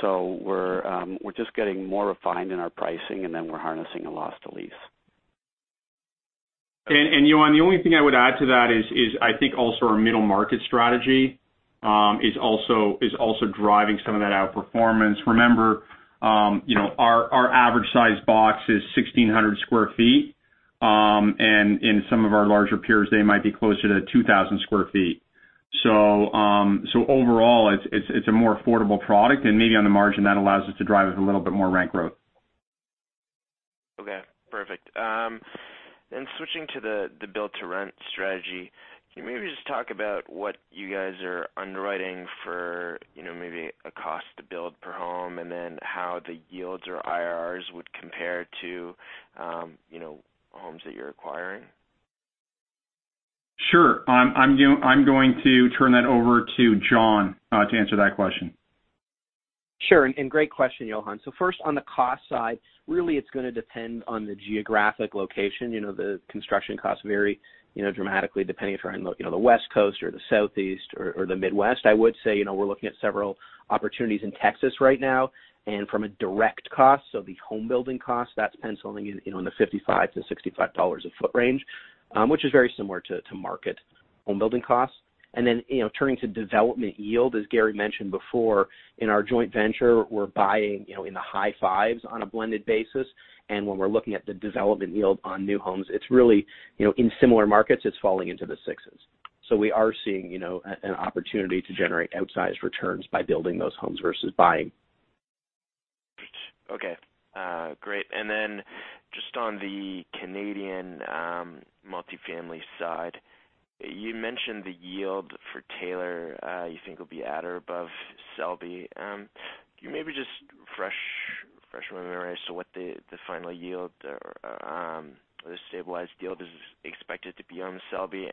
S11: We're just getting more refined in our pricing, and then we're harnessing a loss to lease.
S4: Johann Rodrigues, the only thing I would add to that is I think also our middle market strategy is also driving some of that outperformance. Remember, our average size box is 1,600 square feet. In some of our larger peers, they might be closer to 2,000 square feet. Overall, it's a more affordable product, and maybe on the margin, that allows us to drive a little bit more rent growth.
S12: Okay, perfect. Switching to the build-to-rent strategy, can you maybe just talk about what you guys are underwriting for maybe a cost to build per home, and then how the yields or IRRs would compare to homes that you're acquiring?
S4: Sure. I'm going to turn that over to Jon to answer that question.
S9: Sure, great question, Johann. First, on the cost side, really, it's going to depend on the geographic location. The construction costs vary dramatically depending if you're in the West Coast or the Southeast or the Midwest. I would say, we're looking at several opportunities in Texas right now, and from a direct cost, so the home building cost, that's penciling in the $55 to $65 a foot range, which is very similar to market home building costs. Then, turning to development yield, as Gary mentioned before, in our joint venture, we're buying in the high 5s on a blended basis, and when we're looking at the development yield on new homes, it's really, in similar markets, it's falling into the 6s. We are seeing an opportunity to generate outsized returns by building those homes versus buying.
S12: Okay. Great. Just on the Canadian multifamily side, you mentioned the yield for Taylor you think will be at or above Selby. Can you maybe just refresh my memory as to what the final yield or the stabilized yield is expected to be on the Selby?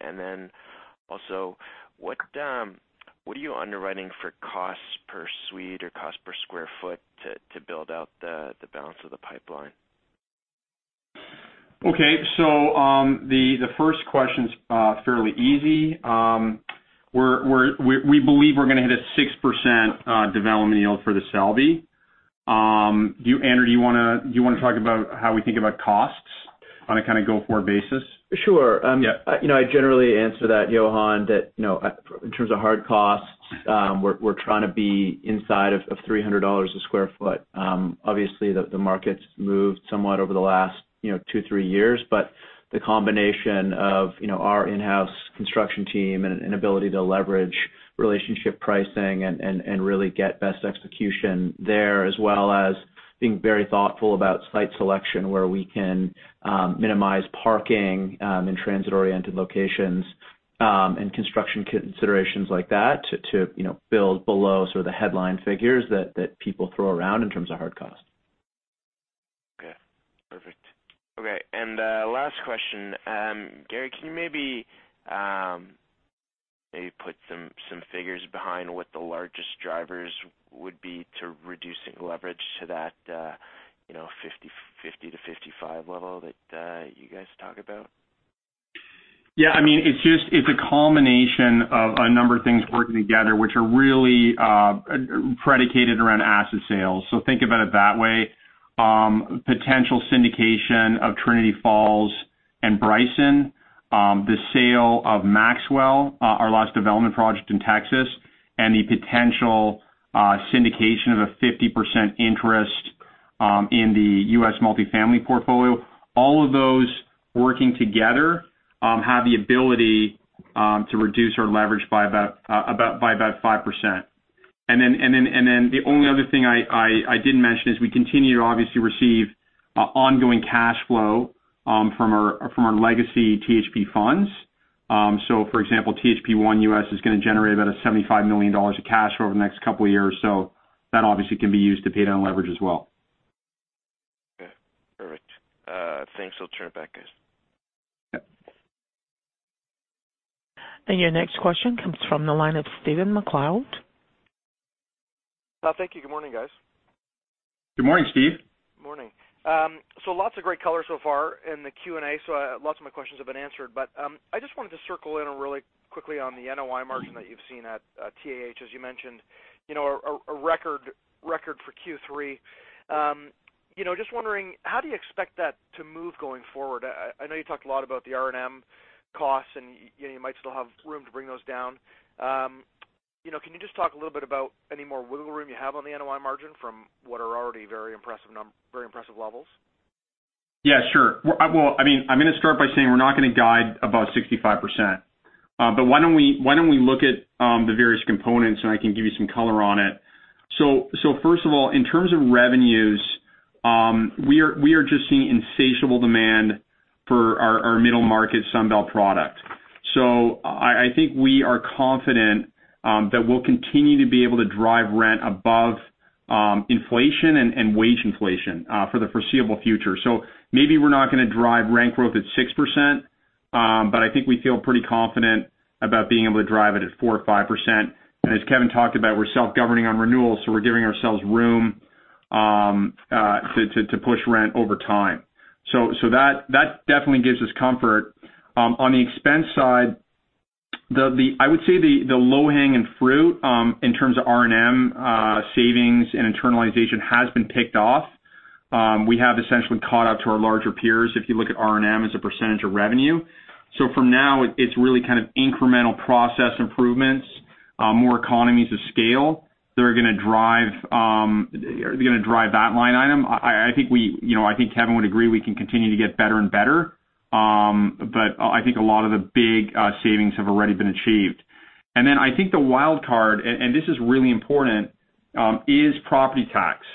S12: Also, what are you underwriting for cost per suite or cost per square foot to build out the balance of the pipeline?
S4: The first question's fairly easy. We believe we're going to hit a 6% development yield for The Selby. Andrew, do you want to talk about how we think about costs on a kind of go-forward basis?
S13: Sure.
S4: Yeah.
S13: I generally answer that, Johann, that in terms of hard costs, we're trying to be inside of $300 a square foot. Obviously, the market's moved somewhat over the last two, three years, but the combination of our in-house construction team and an ability to leverage relationship pricing and really get best execution there, as well as being very thoughtful about site selection where we can minimize parking in transit-oriented locations and construction considerations like that to build below sort of the headline figures that people throw around in terms of hard cost.
S12: Okay, perfect. Okay, last question. Gary, can you maybe put some figures behind what the largest drivers would be to reducing leverage to that 50-55 level that you guys talk about?
S4: It's a culmination of a number of things working together, which are really predicated around asset sales. Think about it that way. Potential syndication of Trinity Falls and Bryson, the sale of Maxwell, our last development project in Texas, and the potential syndication of a 50% interest in the U.S. multifamily portfolio. All of those working together have the ability to reduce our leverage by about 5%. The only other thing I didn't mention is we continue to obviously receive ongoing cash flow from our legacy THP funds. For example, THP1 US is going to generate about $75 million of cash flow over the next couple of years. That obviously can be used to pay down leverage as well.
S12: Okay, perfect. Thanks. I'll turn it back, guys.
S4: Yep.
S1: Your next question comes from the line of Stephen MacLeod.
S14: Thank you. Good morning, guys.
S4: Good morning, Stephen.
S14: Morning. Lots of great color so far in the Q&A, lots of my questions have been answered. I just wanted to circle in really quickly on the NOI margin that you've seen at TAH, as you mentioned, a record for Q3. Just wondering, how do you expect that to move going forward? I know you talked a lot about the R&M costs, you might still have room to bring those down. Can you just talk a little bit about any more wiggle room you have on the NOI margin from what are already very impressive levels?
S4: Yeah, sure. I'm going to start by saying we're not going to guide above 65%. Why don't we look at the various components, and I can give you some color on it. First of all, in terms of revenues, we are just seeing insatiable demand for our middle market Sunbelt product. I think we are confident that we'll continue to be able to drive rent above inflation and wage inflation for the foreseeable future. Maybe we're not going to drive rent growth at 6%, but I think we feel pretty confident about being able to drive it at 4% or 5%. As Kevin talked about, we're self-governing on renewals, so we're giving ourselves room to push rent over time. That definitely gives us comfort. On the expense side, I would say the low-hanging fruit in terms of R&M savings and internalization has been picked off. We have essentially caught up to our larger peers if you look at R&M as a percentage of revenue. For now, it's really kind of incremental process improvements, more economies of scale that are going to drive that line item. I think Kevin would agree we can continue to get better and better. I think a lot of the big savings have already been achieved. I think the wild card, and this is really important, is property tax.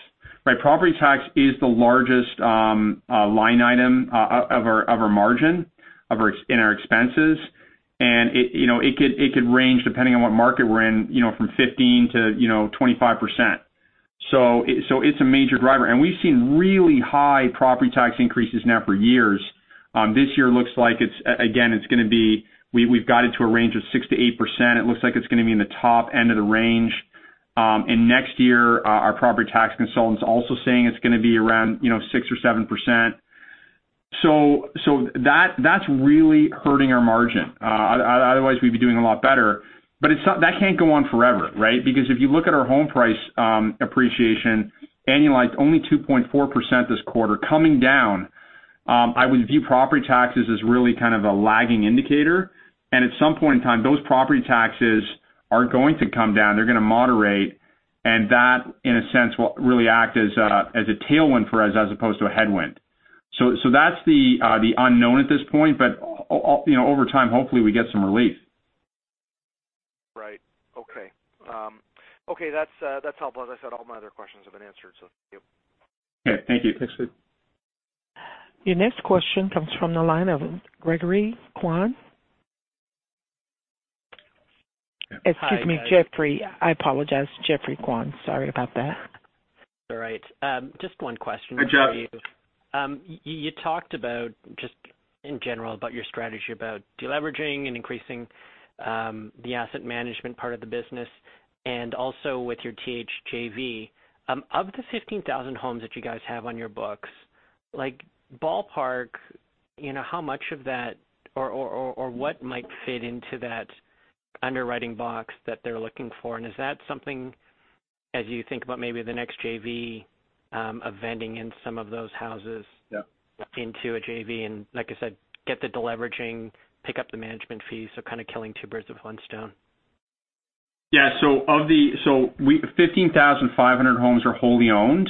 S4: Property tax is the largest line item of our margin in our expenses. It could range, depending on what market we're in, from 15%-25%. It's a major driver. We've seen really high property tax increases now for years. This year looks like, again, we've got it to a range of 6% to 8%. It looks like it's going to be in the top end of the range. Next year, our property tax consultant's also saying it's going to be around 6% or 7%. That's really hurting our margin. Otherwise, we'd be doing a lot better. That can't go on forever, right? Because if you look at our home price appreciation, annualized only 2.4% this quarter, coming down. I would view property taxes as really kind of a lagging indicator. At some point in time, those property taxes are going to come down, they're going to moderate. That, in a sense, will really act as a tailwind for us as opposed to a headwind. That's the unknown at this point. Over time, hopefully, we get some relief.
S14: Right. Okay. That's helpful. As I said, all my other questions have been answered, thank you.
S13: Okay. Thank you. Thanks, Stephen.
S1: Your next question comes from the line of Jeffrey Kwan.
S15: Hi-
S1: Excuse me, Jeffrey. I apologize. Jeffrey Kwan. Sorry about that.
S15: It's all right. Just one question for you.
S4: Hi, Jeffrey.
S15: You talked about, just in general, about your strategy about deleveraging and increasing the asset management part of the business and also with your TAH JV. Of the 15,000 homes that you guys have on your books, ballpark, how much of that or what might fit into that underwriting box that they're looking for? Is that something as you think about maybe the next JV of vending in some of those houses?
S4: Yep
S15: into a JV and like I said, get the deleveraging, pick up the management fees, so kind of killing two birds with one stone?
S4: Yeah. 15,500 homes are wholly owned.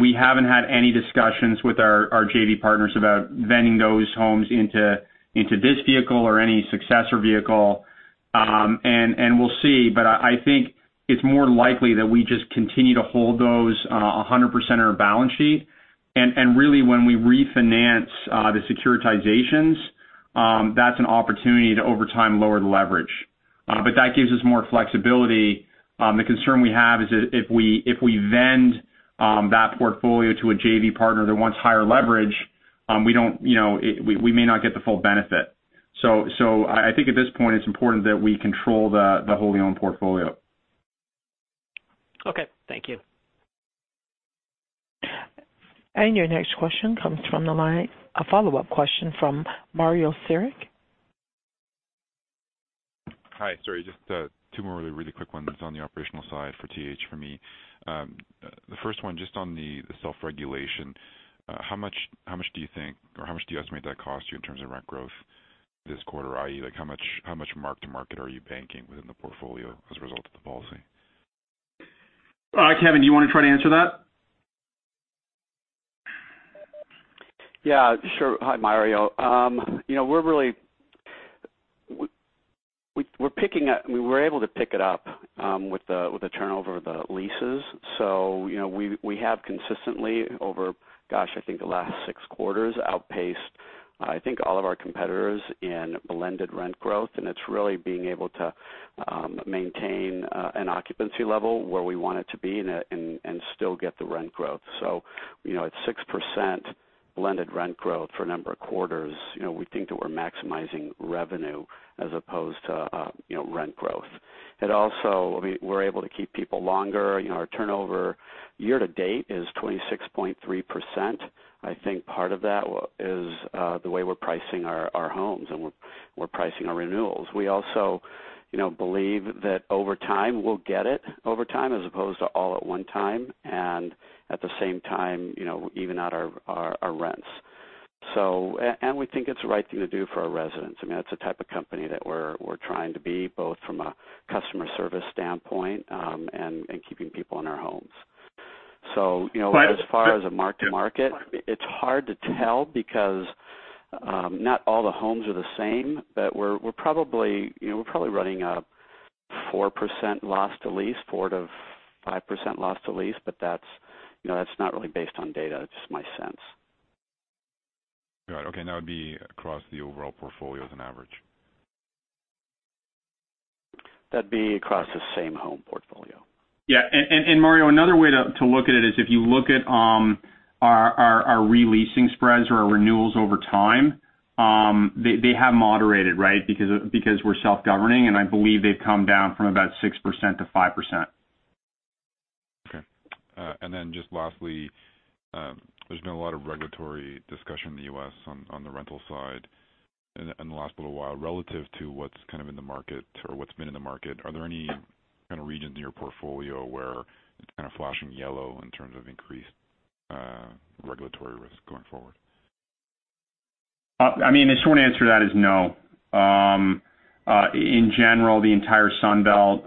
S4: We haven't had any discussions with our JV partners about vending those homes into this vehicle or any successor vehicle. We'll see, but I think it's more likely that we just continue to hold those 100% on our balance sheet. Really when we refinance the securitizations, that's an opportunity to over time lower the leverage. That gives us more flexibility. The concern we have is if we vend that portfolio to a JV partner that wants higher leverage, we may not get the full benefit. I think at this point, it's important that we control the wholly owned portfolio.
S11: Okay. Thank you.
S1: Your next question comes from the line. A follow-up question from Mario Saric.
S10: Hi, sorry, just two more really quick ones on the operational side for TAH for me. The first one just on the self-regulation. How much do you think, or how much do you estimate that cost you in terms of rent growth this quarter, i.e. like how much mark-to-market are you banking within the portfolio as a result of the policy?
S4: Kevin, do you want to try to answer that?
S11: Yeah, sure. Hi, Mario. We were able to pick it up with the turnover of the leases. We have consistently over, gosh, I think the last six quarters outpaced, I think all of our competitors in blended rent growth, and it's really being able to maintain an occupancy level where we want it to be and still get the rent growth. At 6% blended rent growth for a number of quarters, we think that we're maximizing revenue as opposed to rent growth. We're able to keep people longer. Our turnover year-to-date is 26.3%. I think part of that is the way we're pricing our homes and we're pricing our renewals. We also believe that over time, we'll get it over time as opposed to all at one time and at the same time, even out our rents. We think it's the right thing to do for our residents. I mean, that's the type of company that we're trying to be, both from a customer service standpoint and keeping people in our homes. As far as a mark-to-market, it's hard to tell because not all the homes are the same. We're probably running a 4% loss to lease, 4%-5% loss to lease, that's not really based on data. It's just my sense.
S10: Got it. Okay. That would be across the overall portfolio as an average?
S11: That'd be across the Same-Home portfolio.
S4: Yeah. Mario, another way to look at it is if you look at our re-leasing spreads or our renewals over time, they have moderated, right? Because we're self-governing, and I believe they've come down from about 6% to 5%.
S10: Okay. Just lastly, there's been a lot of regulatory discussion in the U.S. on the rental side in the last little while relative to what's kind of in the market or what's been in the market. Are there any kind of regions in your portfolio where it's kind of flashing yellow in terms of increased regulatory risk going forward?
S4: I mean, the short answer to that is no. In general, the entire Sun Belt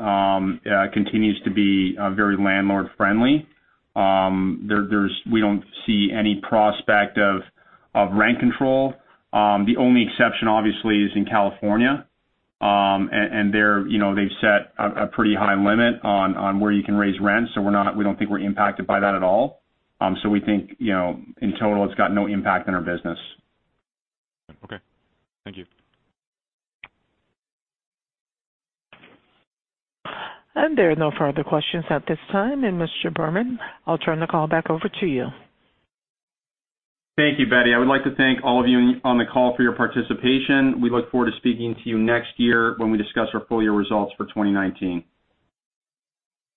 S4: continues to be very landlord-friendly. We don't see any prospect of rent control. The only exception, obviously, is in California. They've set a pretty high limit on where you can raise rents. We don't think we're impacted by that at all. We think, in total, it's got no impact on our business.
S10: Okay. Thank you.
S1: There are no further questions at this time. Mr. Berman, I'll turn the call back over to you.
S4: Thank you, Betty. I would like to thank all of you on the call for your participation. We look forward to speaking to you next year when we discuss our full year results for 2019.